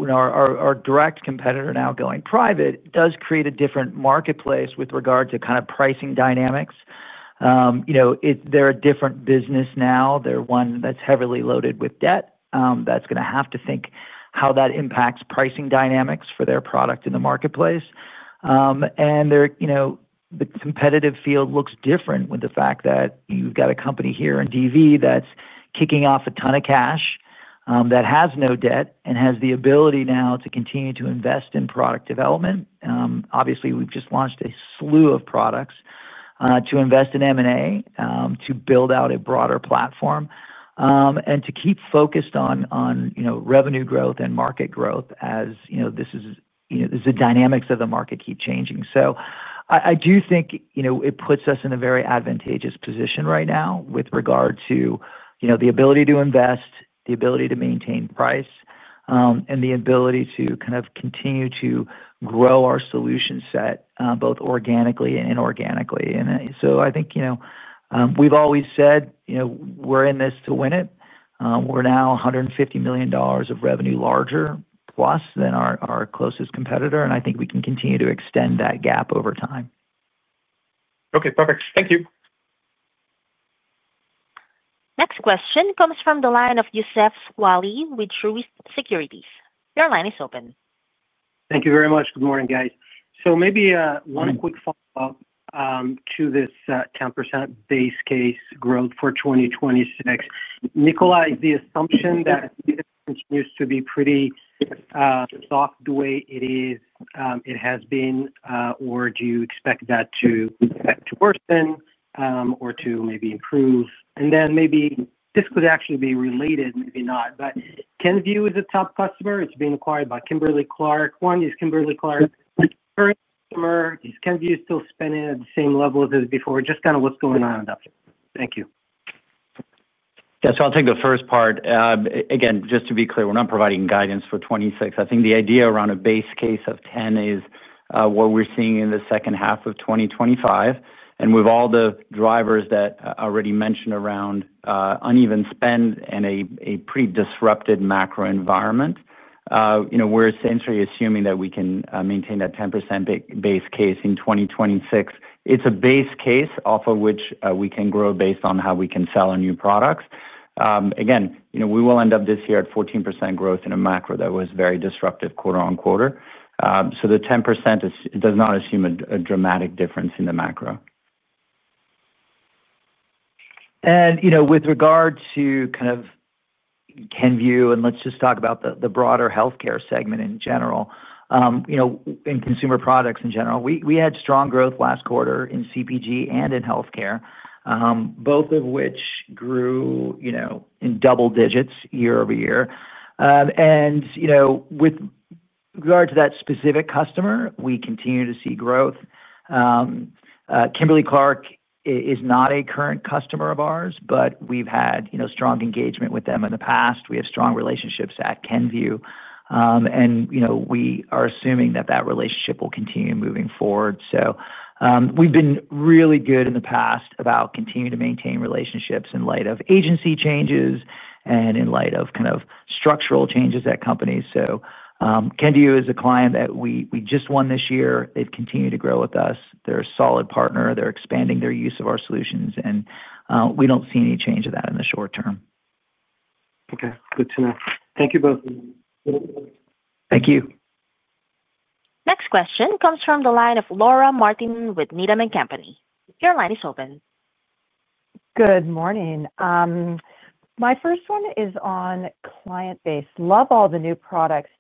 our direct competitor now going private does create a different marketplace with regard to kind of pricing dynamics. They're a different business now. They're one that's heavily loaded with debt. That's going to have to think how that impacts pricing dynamics for their product in the marketplace. The competitive field looks different with the fact that you've got a company here in DV that's kicking off a ton of cash, that has no debt, and has the ability now to continue to invest in product development. Obviously, we've just launched a slew of products to invest in M&A, to build out a broader platform, and to keep focused on revenue growth and market growth as this is the dynamics of the market keep changing. I do think it puts us in a very advantageous position right now with regard to the ability to invest, the ability to maintain price, and the ability to kind of continue to grow our solution set both organically and inorganically. I think we've always said we're in this to win it. We're now $150 million of revenue larger plus than our closest competitor. I think we can continue to extend that gap over time. Okay. Perfect. Thank you. Next question comes from the line of Youssef Squali with Truist Securities. Your line is open. Thank you very much. Good morning, guys. Maybe one quick follow-up to this 10% base case growth for 2026. Nicola, the assumption that it continues to be pretty soft the way it has been, or do you expect that to worsen or to maybe improve? Maybe this could actually be related, maybe not, but Kenvue is a top customer. It's being acquired by Kimberly-Clark. One is Kimberly-Clark's current customer. Is Kenvue still spending at the same level as before? Just kind of what's going on on that? Thank you. Yeah. I'll take the first part. Again, just to be clear, we're not providing guidance for 2026. I think the idea around a base case of 10% is what we're seeing in the second half of 2025. With all the drivers that I already mentioned around uneven spend and a pretty disrupted macro environment, we're essentially assuming that we can maintain that 10% base case in 2026. It's a base case off of which we can grow based on how we can sell our new products. Again, we will end up this year at 14% growth in a macro that was very disruptive, quarter on quatrer. The 10% does not assume a dramatic difference in the macro. With regard to kind of Kenvue, and let's just talk about the broader healthcare segment in general, and consumer products in general, we had strong growth last quarter in CPG and in healthcare, both of which grew in double digits year over year. With regard to that specific customer, we continue to see growth. Kimberly-Clark is not a current customer of ours, but we've had strong engagement with them in the past. We have strong relationships at Kenvue. And we are assuming that that relationship will continue moving forward. We have been really good in the past about continuing to maintain relationships in light of agency changes and in light of kind of structural changes at companies. Kenvue is a client that we just won this year. They've continued to grow with us. They're a solid partner. They're expanding their use of our solutions. We do not see any change of that in the short term. Okay. Good to know. Thank you both. Thank you. Next question comes from the line of Laura Martin with Needham & Company. Your line is open. Good morning. My first one is on client base. Love all the new products.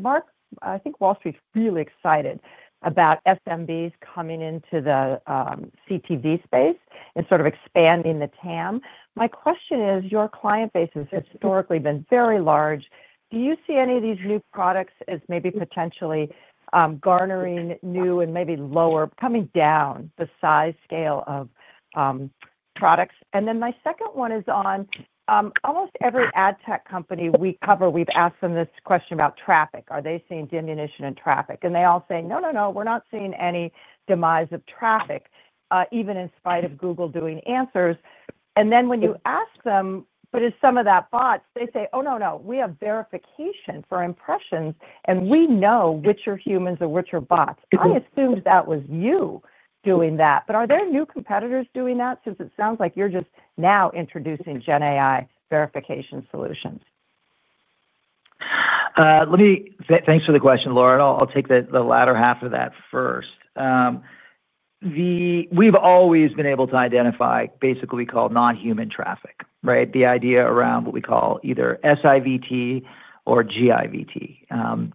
Mark, I think Wall Street's really excited about SMBs coming into the CTV space and sort of expanding the TAM. My question is, your client base has historically been very large. Do you see any of these new products as maybe potentially garnering new and maybe lower, coming down the size scale of products? My second one is on almost every ad tech company we cover, we've asked them this question about traffic. Are they seeing diminution in traffic? They all say, "No, no, no. We're not seeing any demise of traffic," even in spite of Google doing answers. When you ask them, "But is some of that bots?" they say, "Oh, no, no. We have verification for impressions, and we know which are humans and which are bots." I assumed that was you doing that. Are there new competitors doing that? Since it sounds like you're just now introducing GenAI verification solutions. Thanks for the question, Laura. I'll take the latter half of that first. We've always been able to identify basically what we call non-human traffic, right? The idea around what we call either SIVT or GIVT.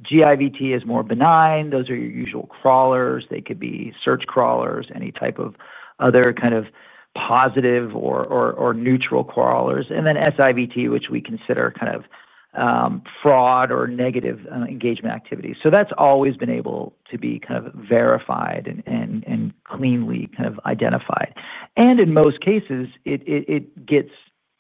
GIVT is more benign. Those are your usual crawlers. They could be search crawlers, any type of other kind of positive or neutral crawlers. SIVT, which we consider kind of fraud or negative engagement activity. That's always been able to be kind of verified and cleanly kind of identified. In most cases, it gets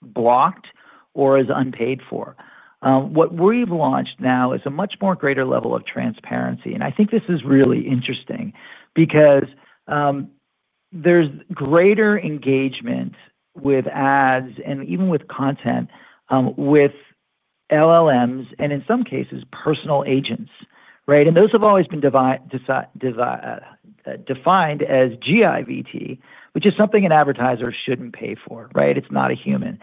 blocked or is unpaid for. What we've launched now is a much more greater level of transparency. I think this is really interesting because there's greater engagement with ads and even with content with LLMs and in some cases, personal agents, right? Those have always been defined as GIVT, which is something an advertiser shouldn't pay for, right? It's not a human.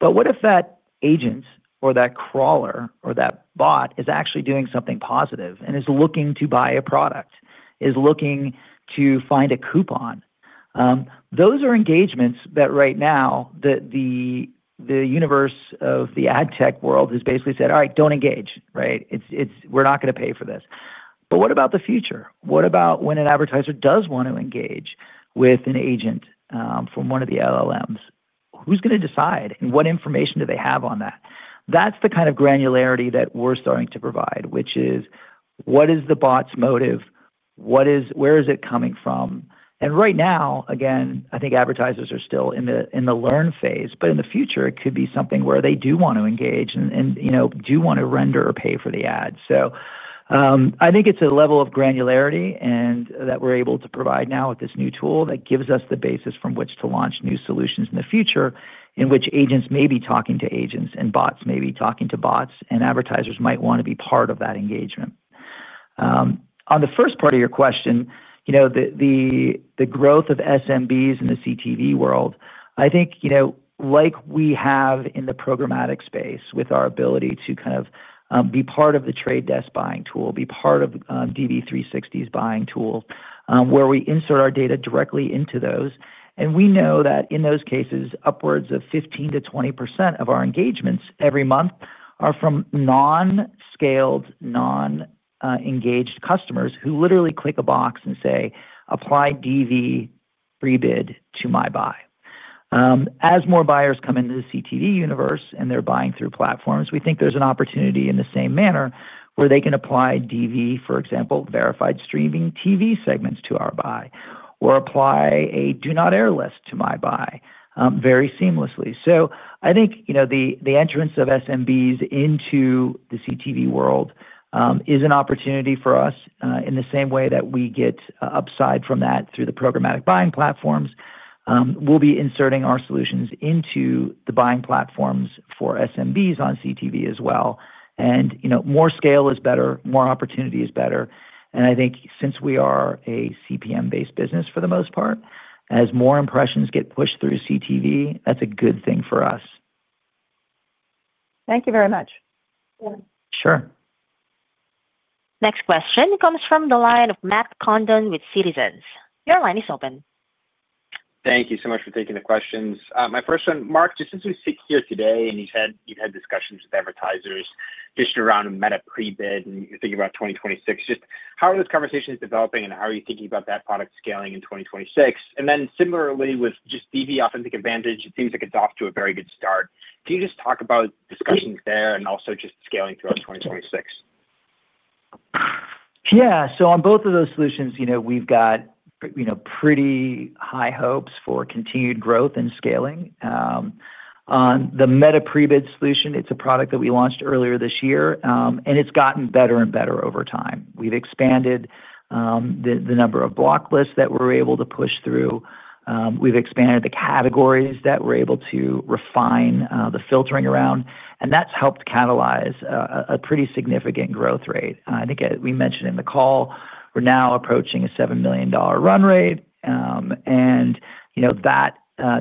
What if that agent or that crawler or that bot is actually doing something positive and is looking to buy a product, is looking to find a coupon? Those are engagements that right now, the universe of the ad tech world has basically said, "All right, don't engage," right? "We're not going to pay for this." What about the future? What about when an advertiser does want to engage with an agent from one of the LLMs? Who's going to decide? What information do they have on that? That's the kind of granularity that we're starting to provide, which is, what is the bot's motive? Where is it coming from? Right now, again, I think advertisers are still in the learn phase, but in the future, it could be something where they do want to engage and do want to render or pay for the ad. I think it's a level of granularity that we're able to provide now with this new tool that gives us the basis from which to launch new solutions in the future in which agents may be talking to agents and bots may be talking to bots, and advertisers might want to be part of that engagement. On the first part of your question, the growth of SMBs in the CTV world, I think like we have in the programmatic space with our ability to kind of be part of The Trade Desk buying tool, be part of DV360's buying tool, where we insert our data directly into those. We know that in those cases, upwards of 15%-20% of our engagements every month are from non-scaled, non-engaged customers who literally click a box and say, "Apply DV pre-bid to my buy." As more buyers come into the CTV universe and they're buying through platforms, we think there's an opportunity in the same manner where they can apply DV, for example, verified streaming TV segments to our buy, or apply a do-not-air list to my buy very seamlessly. I think the entrance of SMBs into the CTV world is an opportunity for us in the same way that we get upside from that through the programmatic buying platforms. We'll be inserting our solutions into the buying platforms for SMBs on CTV as well. More scale is better, more opportunity is better. I think since we are a CPM-based business for the most part, as more impressions get pushed through CTV, that's a good thing for us. Thank you very much. Sure. Next question comes from the line of Matt Condon with Citizens. Your line is open. Thank you so much for taking the questions. My first one, Mark, just as we sit here today and you've had discussions with advertisers just around Meta Pre-Bid and you're thinking about 2026, just how are those conversations developing and how are you thinking about that product scaling in 2026? And then similarly with just DV Authentic AdVantage, it seems like it's off to a very good start. Can you just talk about discussions there and also just scaling throughout 2026? Yeah. On both of those solutions, we've got pretty high hopes for continued growth and scaling. On the Meta Pre-Bid solution, it's a product that we launched earlier this year, and it's gotten better and better over time. We've expanded the number of block lists that we're able to push through. We've expanded the categories that we're able to refine the filtering around, and that's helped catalyze a pretty significant growth rate. I think we mentioned in the call, we're now approaching a $7 million run rate, and that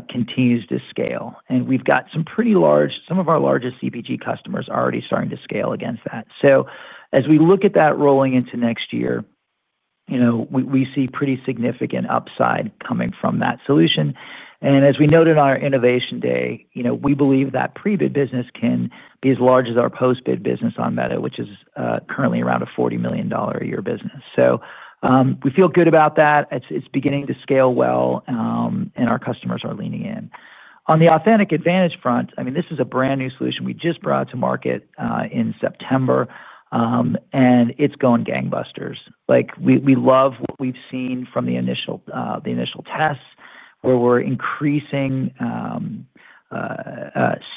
continues to scale. We've got some pretty large, some of our largest CPG customers already starting to scale against that. As we look at that rolling into next year, we see pretty significant upside coming from that solution. As we noted on our Innovation Day, we believe that pre-bid business can be as large as our post-bid business on Meta, which is currently around a $40 million a year business. We feel good about that. It's beginning to scale well, and our customers are leaning in. On the Authentic AdVantage front, I mean, this is a brand new solution we just brought to market in September, and it's going gangbusters. We love what we've seen from the initial tests where we're increasing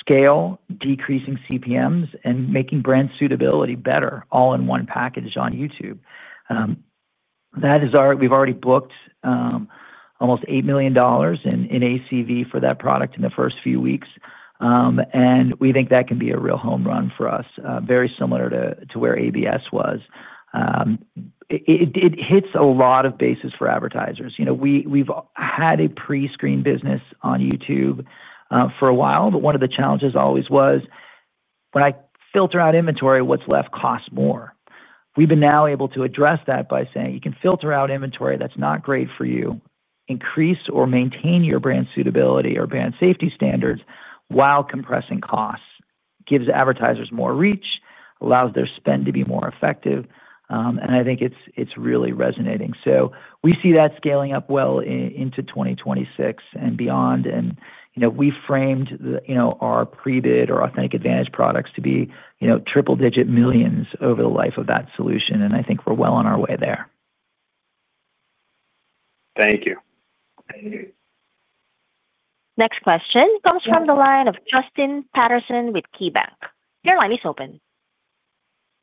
scale, decreasing CPMs, and making brand suitability better all in one package on YouTube. We've already booked almost $8 million in ACV for that product in the first few weeks, and we think that can be a real home run for us, very similar to where ABS was. It hits a lot of bases for advertisers. We've had a pre-screen business on YouTube for a while, but one of the challenges always was, when I filter out inventory, what's left costs more. We've been now able to address that by saying, "You can filter out inventory that's not great for you, increase or maintain your brand suitability or brand safety standards while compressing costs." It gives advertisers more reach, allows their spend to be more effective. I think it's really resonating. We see that scaling up well into 2026 and beyond. We framed our pre-bid or Authentic AdVantage products to be triple-digit millions over the life of that solution. I think we're well on our way there. Thank you. Next question comes from the line of Justin Patterson with KeyBanc. Your line is open.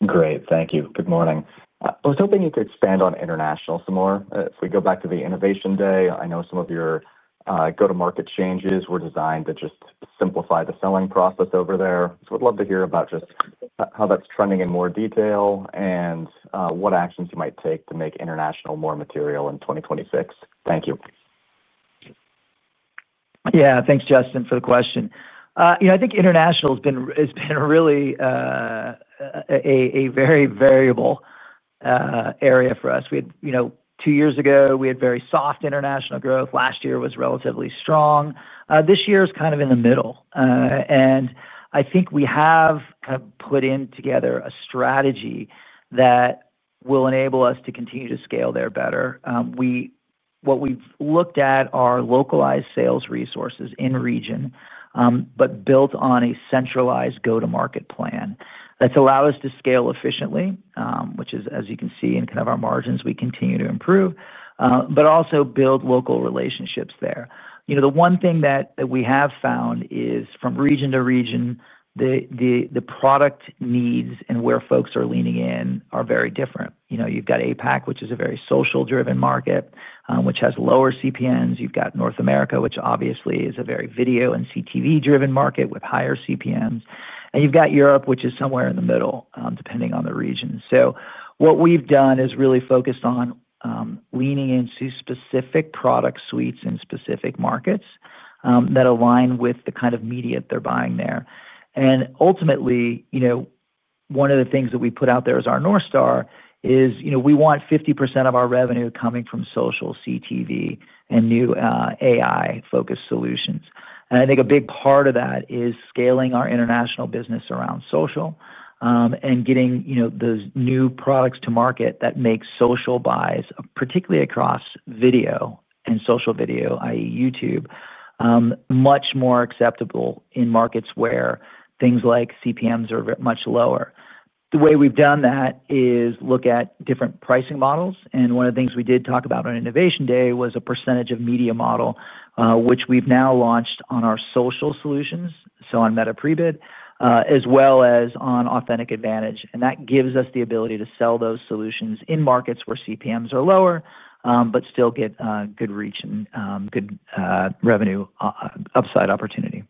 Great. Thank you. Good morning. I was hoping you could expand on international some more. If we go back to the innovation day, I know some of your go-to-market changes were designed to just simplify the selling process over there. I'd love to hear about just how that's trending in more detail and what actions you might take to make international more material in 2026. Thank you. Yeah. Thanks, Justin, for the question. I think international has been really a very variable area for us. Two years ago, we had very soft international growth. Last year was relatively strong. This year is kind of in the middle. I think we have kind of put in together a strategy that will enable us to continue to scale there better. What we've looked at are localized sales resources in region, but built on a centralized go-to-market plan that's allowed us to scale efficiently, which is, as you can see in kind of our margins, we continue to improve, but also build local relationships there. The one thing that we have found is from region to region, the product needs and where folks are leaning in are very different. You've got APAC, which is a very social-driven market, which has lower CPMs. You've got North America, which obviously is a very video and CTV-driven market with higher CPMs. You have Europe, which is somewhere in the middle, depending on the region. What we've done is really focused on leaning into specific product suites in specific markets that align with the kind of media that they're buying there. Ultimately, one of the things that we put out there as our north star is we want 50% of our revenue coming from social, CTV, and new AI-focused solutions. I think a big part of that is scaling our international business around social and getting those new products to market that make social buys, particularly across video and social video, i.e., YouTube, much more acceptable in markets where things like CPMs are much lower. The way we've done that is look at different pricing models. One of the things we did talk about on Innovation Day was a percentage of media model, which we've now launched on our social solutions, so on Meta Pre-Bid, as well as on Authentic AdVantage. That gives us the ability to sell those solutions in markets where CPMs are lower, but still get good reach and good revenue upside opportunity.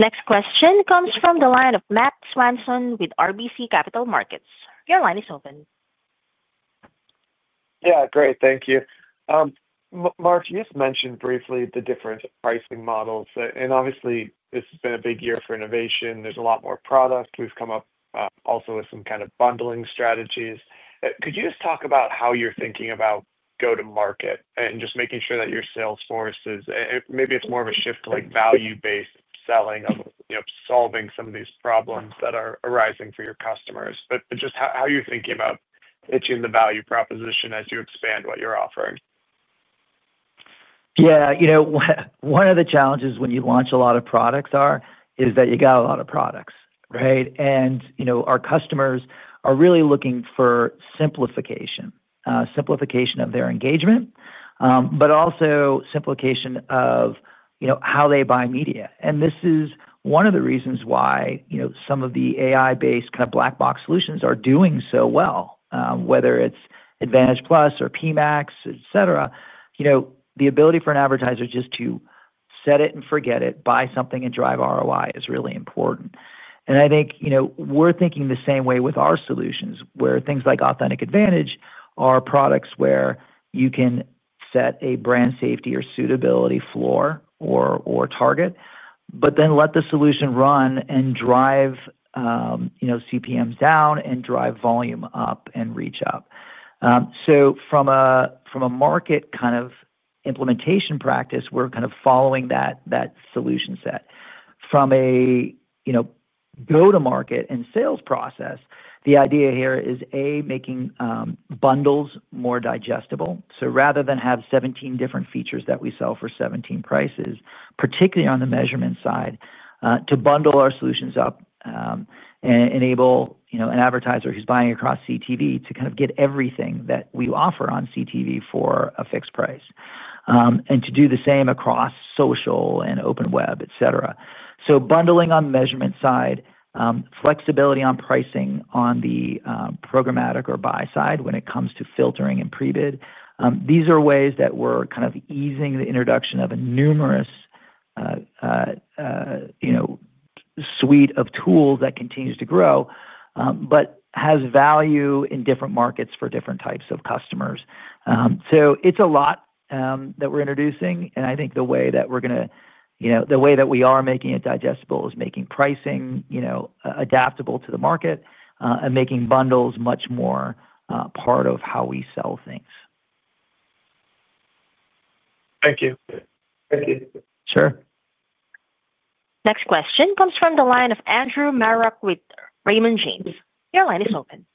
Thank you. Next question comes from the line of Matt Swanson with RBC Capital Markets. Your line is open. Yeah. Great. Thank you. Mark, you just mentioned briefly the different pricing models. Obviously, this has been a big year for innovation. There's a lot more product. We've come up also with some kind of bundling strategies. Could you just talk about how you're thinking about go-to-market and just making sure that your sales force is maybe it's more of a shift to value-based selling of solving some of these problems that are arising for your customers, but just how you're thinking about pitching the value proposition as you expand what you're offering? Yeah. One of the challenges when you launch a lot of products is that you got a lot of products, right? Our customers are really looking for simplification, simplification of their engagement, but also simplification of how they buy media. This is one of the reasons why some of the AI-based kind of black box solutions are doing so well, whether it's Advantage Plus or PMAX, etc. The ability for an advertiser just to set it and forget it, buy something, and drive ROI is really important. I think we're thinking the same way with our solutions, where things like Authentic AdVantage are products where you can set a brand safety or suitability floor or target, but then let the solution run and drive CPMs down and drive volume up and reach up. From a market kind of implementation practice, we're kind of following that solution set. From a go-to-market and sales process, the idea here is, A, making bundles more digestible. Rather than have 17 different features that we sell for 17 prices, particularly on the measurement side, to bundle our solutions up and enable an advertiser who's buying across CTV to kind of get everything that we offer on CTV for a fixed price, and to do the same across social and open web, etc. Bundling on the measurement side, flexibility on pricing on the programmatic or buy side when it comes to filtering and pre-bid, these are ways that we're kind of easing the introduction of a numerous suite of tools that continues to grow, but has value in different markets for different types of customers. It's a lot that we're introducing. I think the way that we are making it digestible is making pricing adaptable to the market and making bundles much more part of how we sell things. Thank you. Thank you. Sure. Next question comes from the line of Andrew Marok with Raymond James. Your line is open.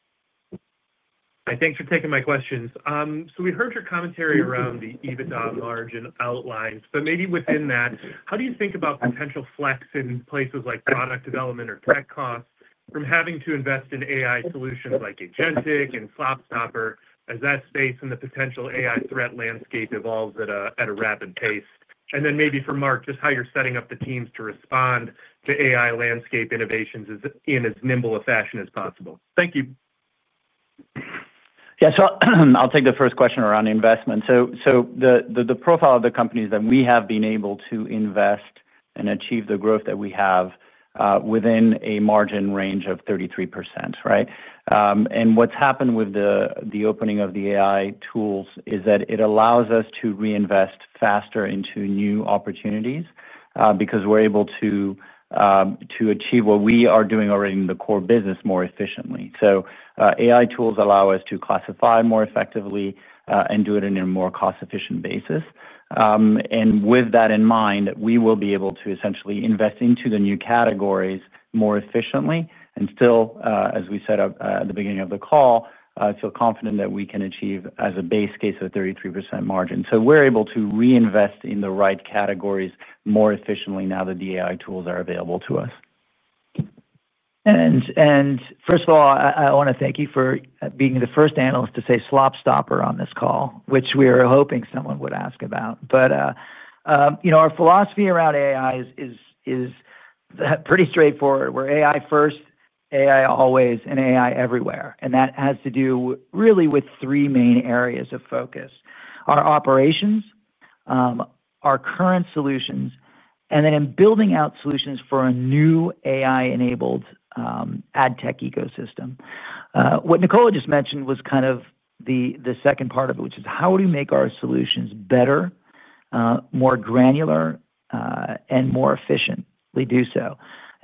Hi, thanks for taking my questions. We heard your commentary around the EBITDA margin outlines, but maybe within that, how do you think about potential flex in places like product development or tech costs from having to invest in AI solutions like Agentic and AI SlopStopper as that space and the potential AI threat landscape evolves at a rapid pace? And then maybe for Mark, just how you are setting up the teams to respond to AI landscape innovations in as nimble a fashion as possible. Thank you. Yeah. I'll take the first question around investment. The profile of the companies that we have been able to invest and achieve the growth that we have within a margin range of 33%, right? What's happened with the opening of the AI tools is that it allows us to reinvest faster into new opportunities because we're able to achieve what we are doing already in the core business more efficiently. AI tools allow us to classify more effectively and do it on a more cost-efficient basis. With that in mind, we will be able to essentially invest into the new categories more efficiently and still, as we said at the beginning of the call, feel confident that we can achieve as a base case a 33% margin. We're able to reinvest in the right categories more efficiently now that the AI tools are available to us. First of all, I want to thank you for being the first analyst to say SlopStopper on this call, which we were hoping someone would ask about. Our philosophy around AI is pretty straightforward. We're AI first, AI always, and AI everywhere. That has to do really with three main areas of focus: our operations, our current solutions, and then in building out solutions for a new AI-enabled ad tech ecosystem. What Nicola just mentioned was kind of the second part of it, which is how do we make our solutions better, more granular, and more efficiently do so?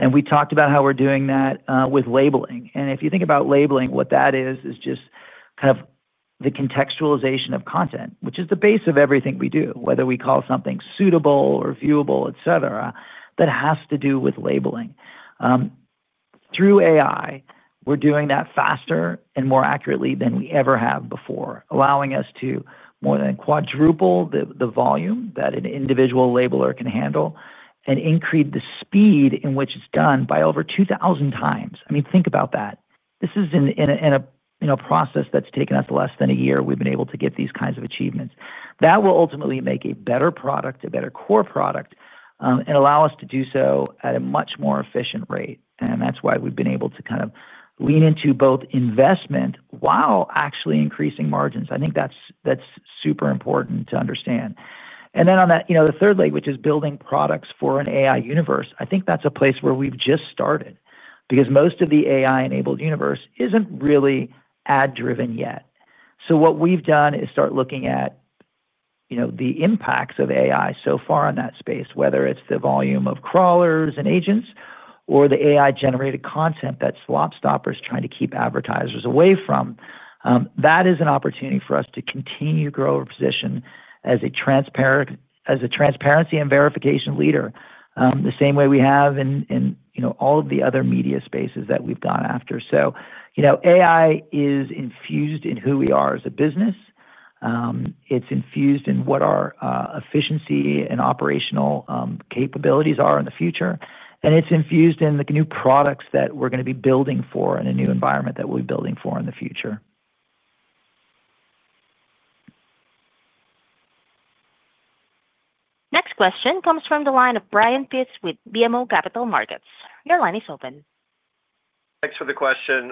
We talked about how we're doing that with labeling. If you think about labeling, what that is, is just kind of the contextualization of content, which is the base of everything we do, whether we call something suitable or viewable, etc., that has to do with labeling. Through AI, we're doing that faster and more accurately than we ever have before, allowing us to more than quadruple the volume that an individual labeler can handle and increase the speed in which it's done by over 2,000 times. I mean, think about that. This is in a process that's taken us less than a year. We've been able to get these kinds of achievements. That will ultimately make a better product, a better core product, and allow us to do so at a much more efficient rate. That's why we've been able to kind of lean into both investment while actually increasing margins. I think that's super important to understand. On the third leg, which is building products for an AI universe, I think that's a place where we've just started because most of the AI-enabled universe isn't really ad-driven yet. What we've done is start looking at the impacts of AI so far in that space, whether it's the volume of crawlers and agents or the AI-generated content that AI SlopStopper is trying to keep advertisers away from. That is an opportunity for us to continue to grow our position as a transparency and verification leader, the same way we have in all of the other media spaces that we've gone after. AI is infused in who we are as a business. It's infused in what our efficiency and operational capabilities are in the future. It's infused in the new products that we're going to be building for and a new environment that we'll be building for in the future. Next question comes from the line of Brian Pitz with BMO Capital Markets. Your line is open. Thanks for the question.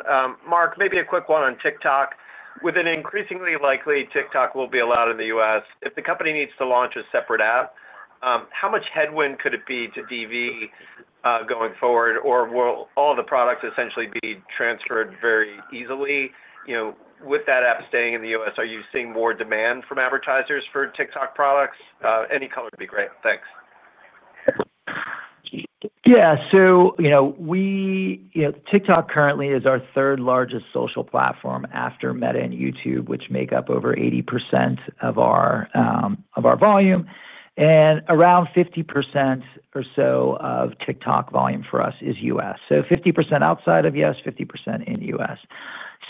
Mark, maybe a quick one on TikTok. With an increasingly likely TikTok will be allowed in the U.S., if the company needs to launch a separate app, how much headwind could it be to DV going forward? Or will all the products essentially be transferred very easily? With that app staying in the U.S., are you seeing more demand from advertisers for TikTok products? Any color would be great. Thanks. Yeah. TikTok currently is our third largest social platform after Meta and YouTube, which make up over 80% of our volume. Around 50% or so of TikTok volume for us is U.S., so 50% outside of U.S., 50% in U.S.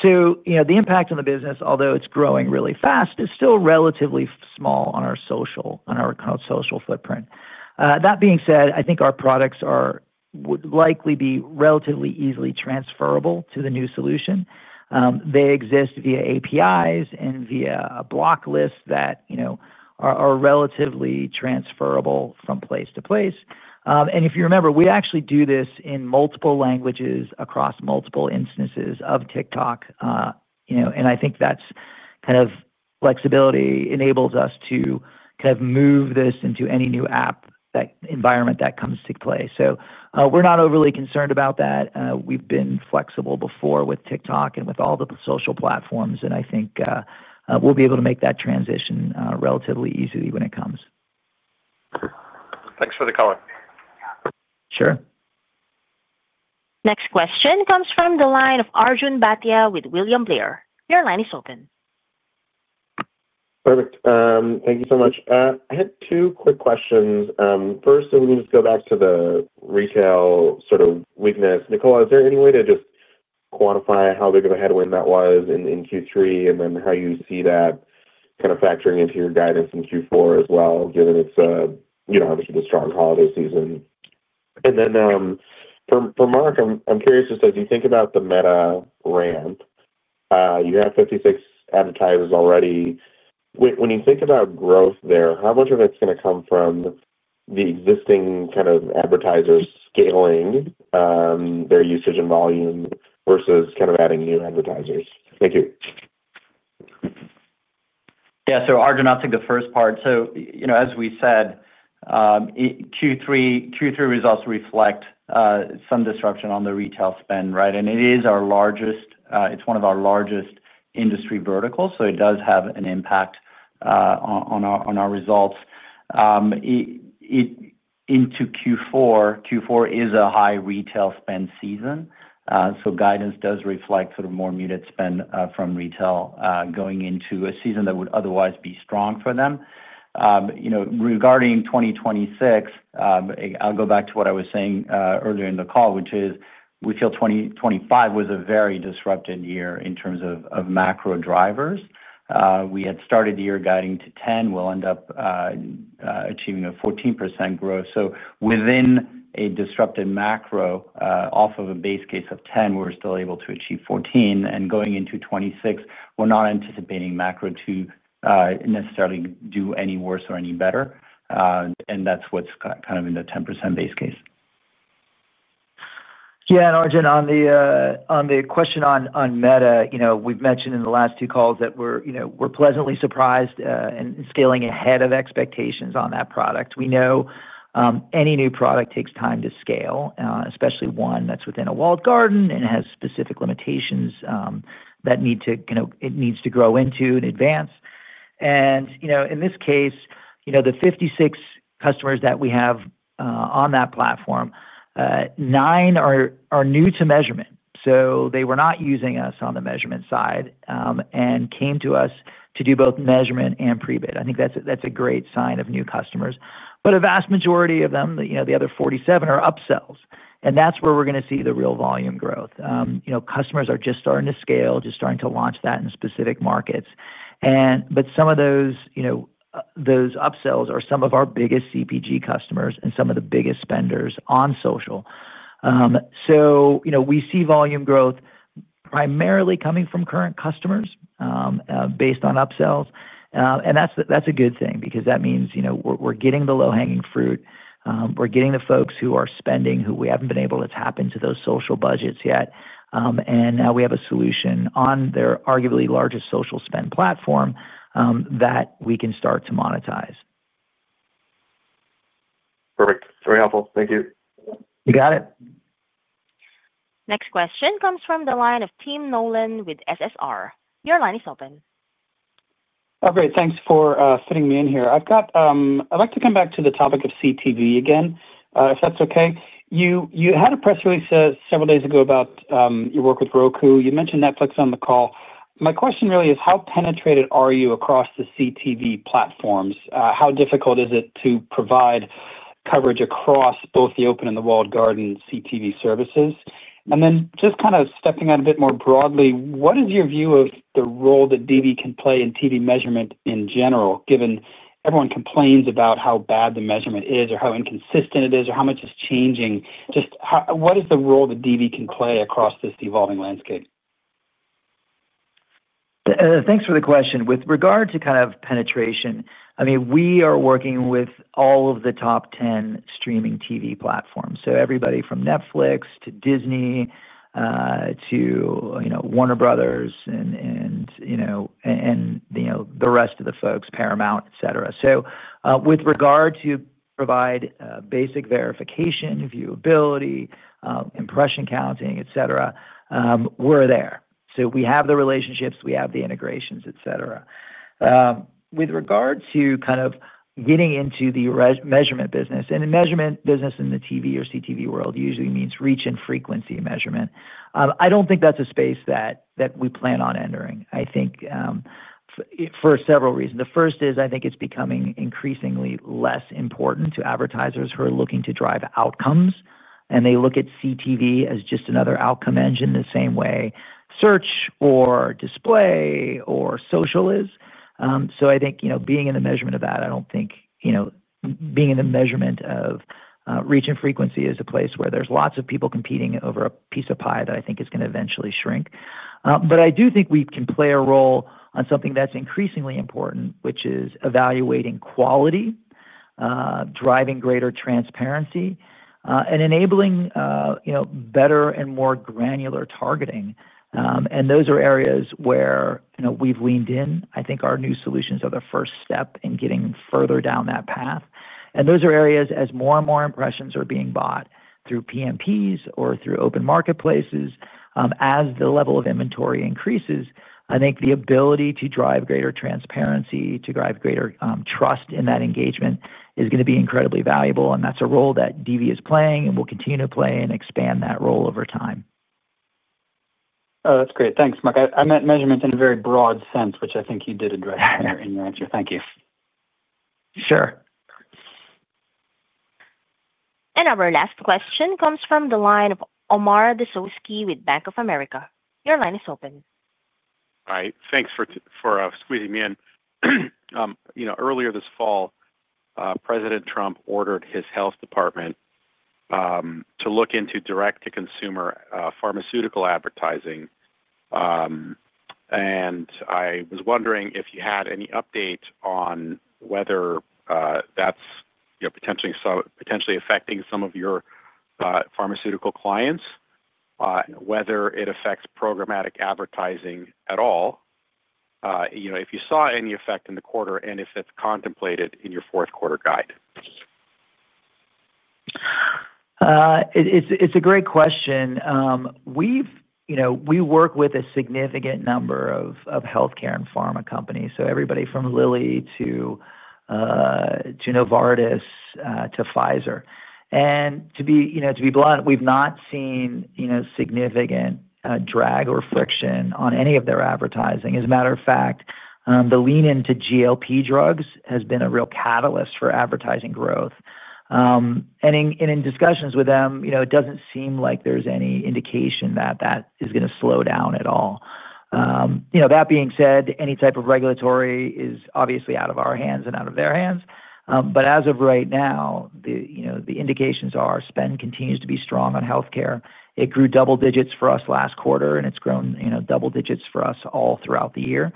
The impact on the business, although it is growing really fast, is still relatively small on our social footprint. That being said, I think our products would likely be relatively easily transferable to the new solution. They exist via APIs and via a blocklist that are relatively transferable from place to place. If you remember, we actually do this in multiple languages across multiple instances of TikTok. I think that kind of flexibility enables us to move this into any new app environment that comes to play. We are not overly concerned about that. We have been flexible before with TikTok and with all the social platforms. I think we will be able to make that transition relatively easily when it comes. Thanks for the color. Sure. Next question comes from the line of Arjun Bhatia with William Blair. Your line is open. Perfect. Thank you so much. I had two quick questions. First, if we can just go back to the retail sort of weakness. Nicola, is there any way to just quantify how big of a headwind that was in Q3 and then how you see that kind of factoring into your guidance in Q4 as well, given it's obviously the strong holiday season? And then for Mark, I'm curious, just as you think about the Meta ramp, you have 56 advertisers already. When you think about growth there, how much of it's going to come from the existing kind of advertisers scaling their usage and volume versus kind of adding new advertisers? Thank you. Yeah. So Arjun, I'll take the first part. As we said, Q3 results reflect some disruption on the retail spend, right? It is our largest, it's one of our largest industry verticals. It does have an impact on our results. Into Q4, Q4 is a high retail spend season. Guidance does reflect sort of more muted spend from retail going into a season that would otherwise be strong for them. Regarding 2026, I'll go back to what I was saying earlier in the call, which is we feel 2025 was a very disrupted year in terms of macro drivers. We had started the year guiding to 10%. We'll end up achieving a 14% growth. Within a disrupted macro, off of a base case of 10%, we're still able to achieve 14%. Going into 2026, we're not anticipating macro to necessarily do any worse or any better. That's what's kind of in the 10% base case. Yeah. Arjun, on the question on Meta, we've mentioned in the last two calls that we're pleasantly surprised and scaling ahead of expectations on that product. We know any new product takes time to scale, especially one that's within a walled garden and has specific limitations that it needs to grow into in advance. In this case, the 56 customers that we have on that platform, nine are new to measurement. They were not using us on the measurement side and came to us to do both measurement and pre-bid. I think that's a great sign of new customers. A vast majority of them, the other 47, are upsells. That's where we're going to see the real volume growth. Customers are just starting to scale, just starting to launch that in specific markets. Some of those upsells are some of our biggest CPG customers and some of the biggest spenders on social. We see volume growth primarily coming from current customers based on upsells. That is a good thing because that means we're getting the low-hanging fruit. We're getting the folks who are spending who we haven't been able to tap into those social budgets yet. Now we have a solution on their arguably largest social spend platform that we can start to monetize. Perfect. Very helpful. Thank you. You got it. Next question comes from the line of Tim Nollen with SSR. Your line is open. Oh, great. Thanks for fitting me in here. I'd like to come back to the topic of CTV again, if that's okay. You had a press release several days ago about your work with Roku. You mentioned Netflix on the call. My question really is, how penetrated are you across the CTV platforms? How difficult is it to provide coverage across both the open and the walled garden CTV services? Just kind of stepping out a bit more broadly, what is your view of the role that DV can play in TV measurement in general, given everyone complains about how bad the measurement is or how inconsistent it is or how much it's changing? Just what is the role that DV can play across this evolving landscape? Thanks for the question. With regard to kind of penetration, I mean, we are working with all of the top 10 streaming TV platforms. So everybody from Netflix to Disney to Warner Brothers and the rest of the folks, Paramount, etc. With regard to provide basic verification, viewability, impression counting, etc., we're there. We have the relationships. We have the integrations, etc. With regard to kind of getting into the measurement business, and the measurement business in the TV or CTV world usually means reach and frequency measurement, I don't think that's a space that we plan on entering. I think for several reasons. The first is I think it's becoming increasingly less important to advertisers who are looking to drive outcomes. They look at CTV as just another outcome engine the same way search or display or social is. I think being in the measurement of that, I don't think being in the measurement of reach and frequency is a place where there's lots of people competing over a piece of pie that I think is going to eventually shrink. I do think we can play a role on something that's increasingly important, which is evaluating quality, driving greater transparency, and enabling better and more granular targeting. Those are areas where we've leaned in. I think our new solutions are the first step in getting further down that path. Those are areas as more and more impressions are being bought through PMPs or through open marketplaces. As the level of inventory increases, I think the ability to drive greater transparency, to drive greater trust in that engagement is going to be incredibly valuable. That's a role that DV is playing and will continue to play and expand that role over time. Oh, that's great. Thanks, Mark. I meant measurement in a very broad sense, which I think you did address in your answer. Thank you. Sure. Our last question comes from the line of Omar Dessouky with Bank of America. Your line is open. All right. Thanks for squeezing me in. Earlier this fall, President Trump ordered his health department to look into direct-to-consumer pharmaceutical advertising. I was wondering if you had any updates on whether that's potentially affecting some of your pharmaceutical clients, whether it affects programmatic advertising at all, if you saw any effect in the quarter, and if it's contemplated in your fourth quarter guide. It's a great question. We work with a significant number of healthcare and pharma companies, so everybody from Lilly to Novartis to Pfizer. To be blunt, we've not seen significant drag or friction on any of their advertising. As a matter of fact, the lean into GLP drugs has been a real catalyst for advertising growth. In discussions with them, it does not seem like there is any indication that that is going to slow down at all. That being said, any type of regulatory is obviously out of our hands and out of their hands. As of right now, the indications are spend continues to be strong on healthcare. It grew double digits for us last quarter, and it has grown double digits for us all throughout the year.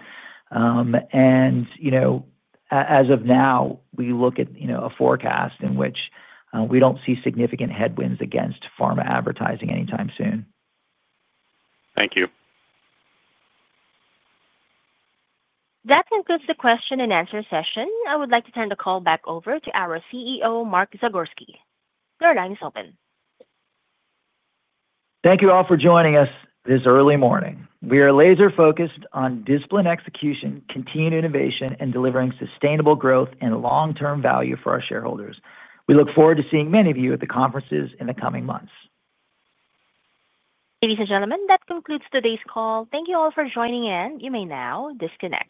As of now, we look at a forecast in which we do not see significant headwinds against pharma advertising anytime soon. Thank you. That concludes the question and answer session. I would like to turn the call back over to our CEO, Mark Zagorski. Your line is open. Thank you all for joining us this early morning. We are laser-focused on discipline execution, continued innovation, and delivering sustainable growth and long-term value for our shareholders. We look forward to seeing many of you at the conferences in the coming months. Ladies and gentlemen, that concludes today's call. Thank you all for joining in. You may now disconnect.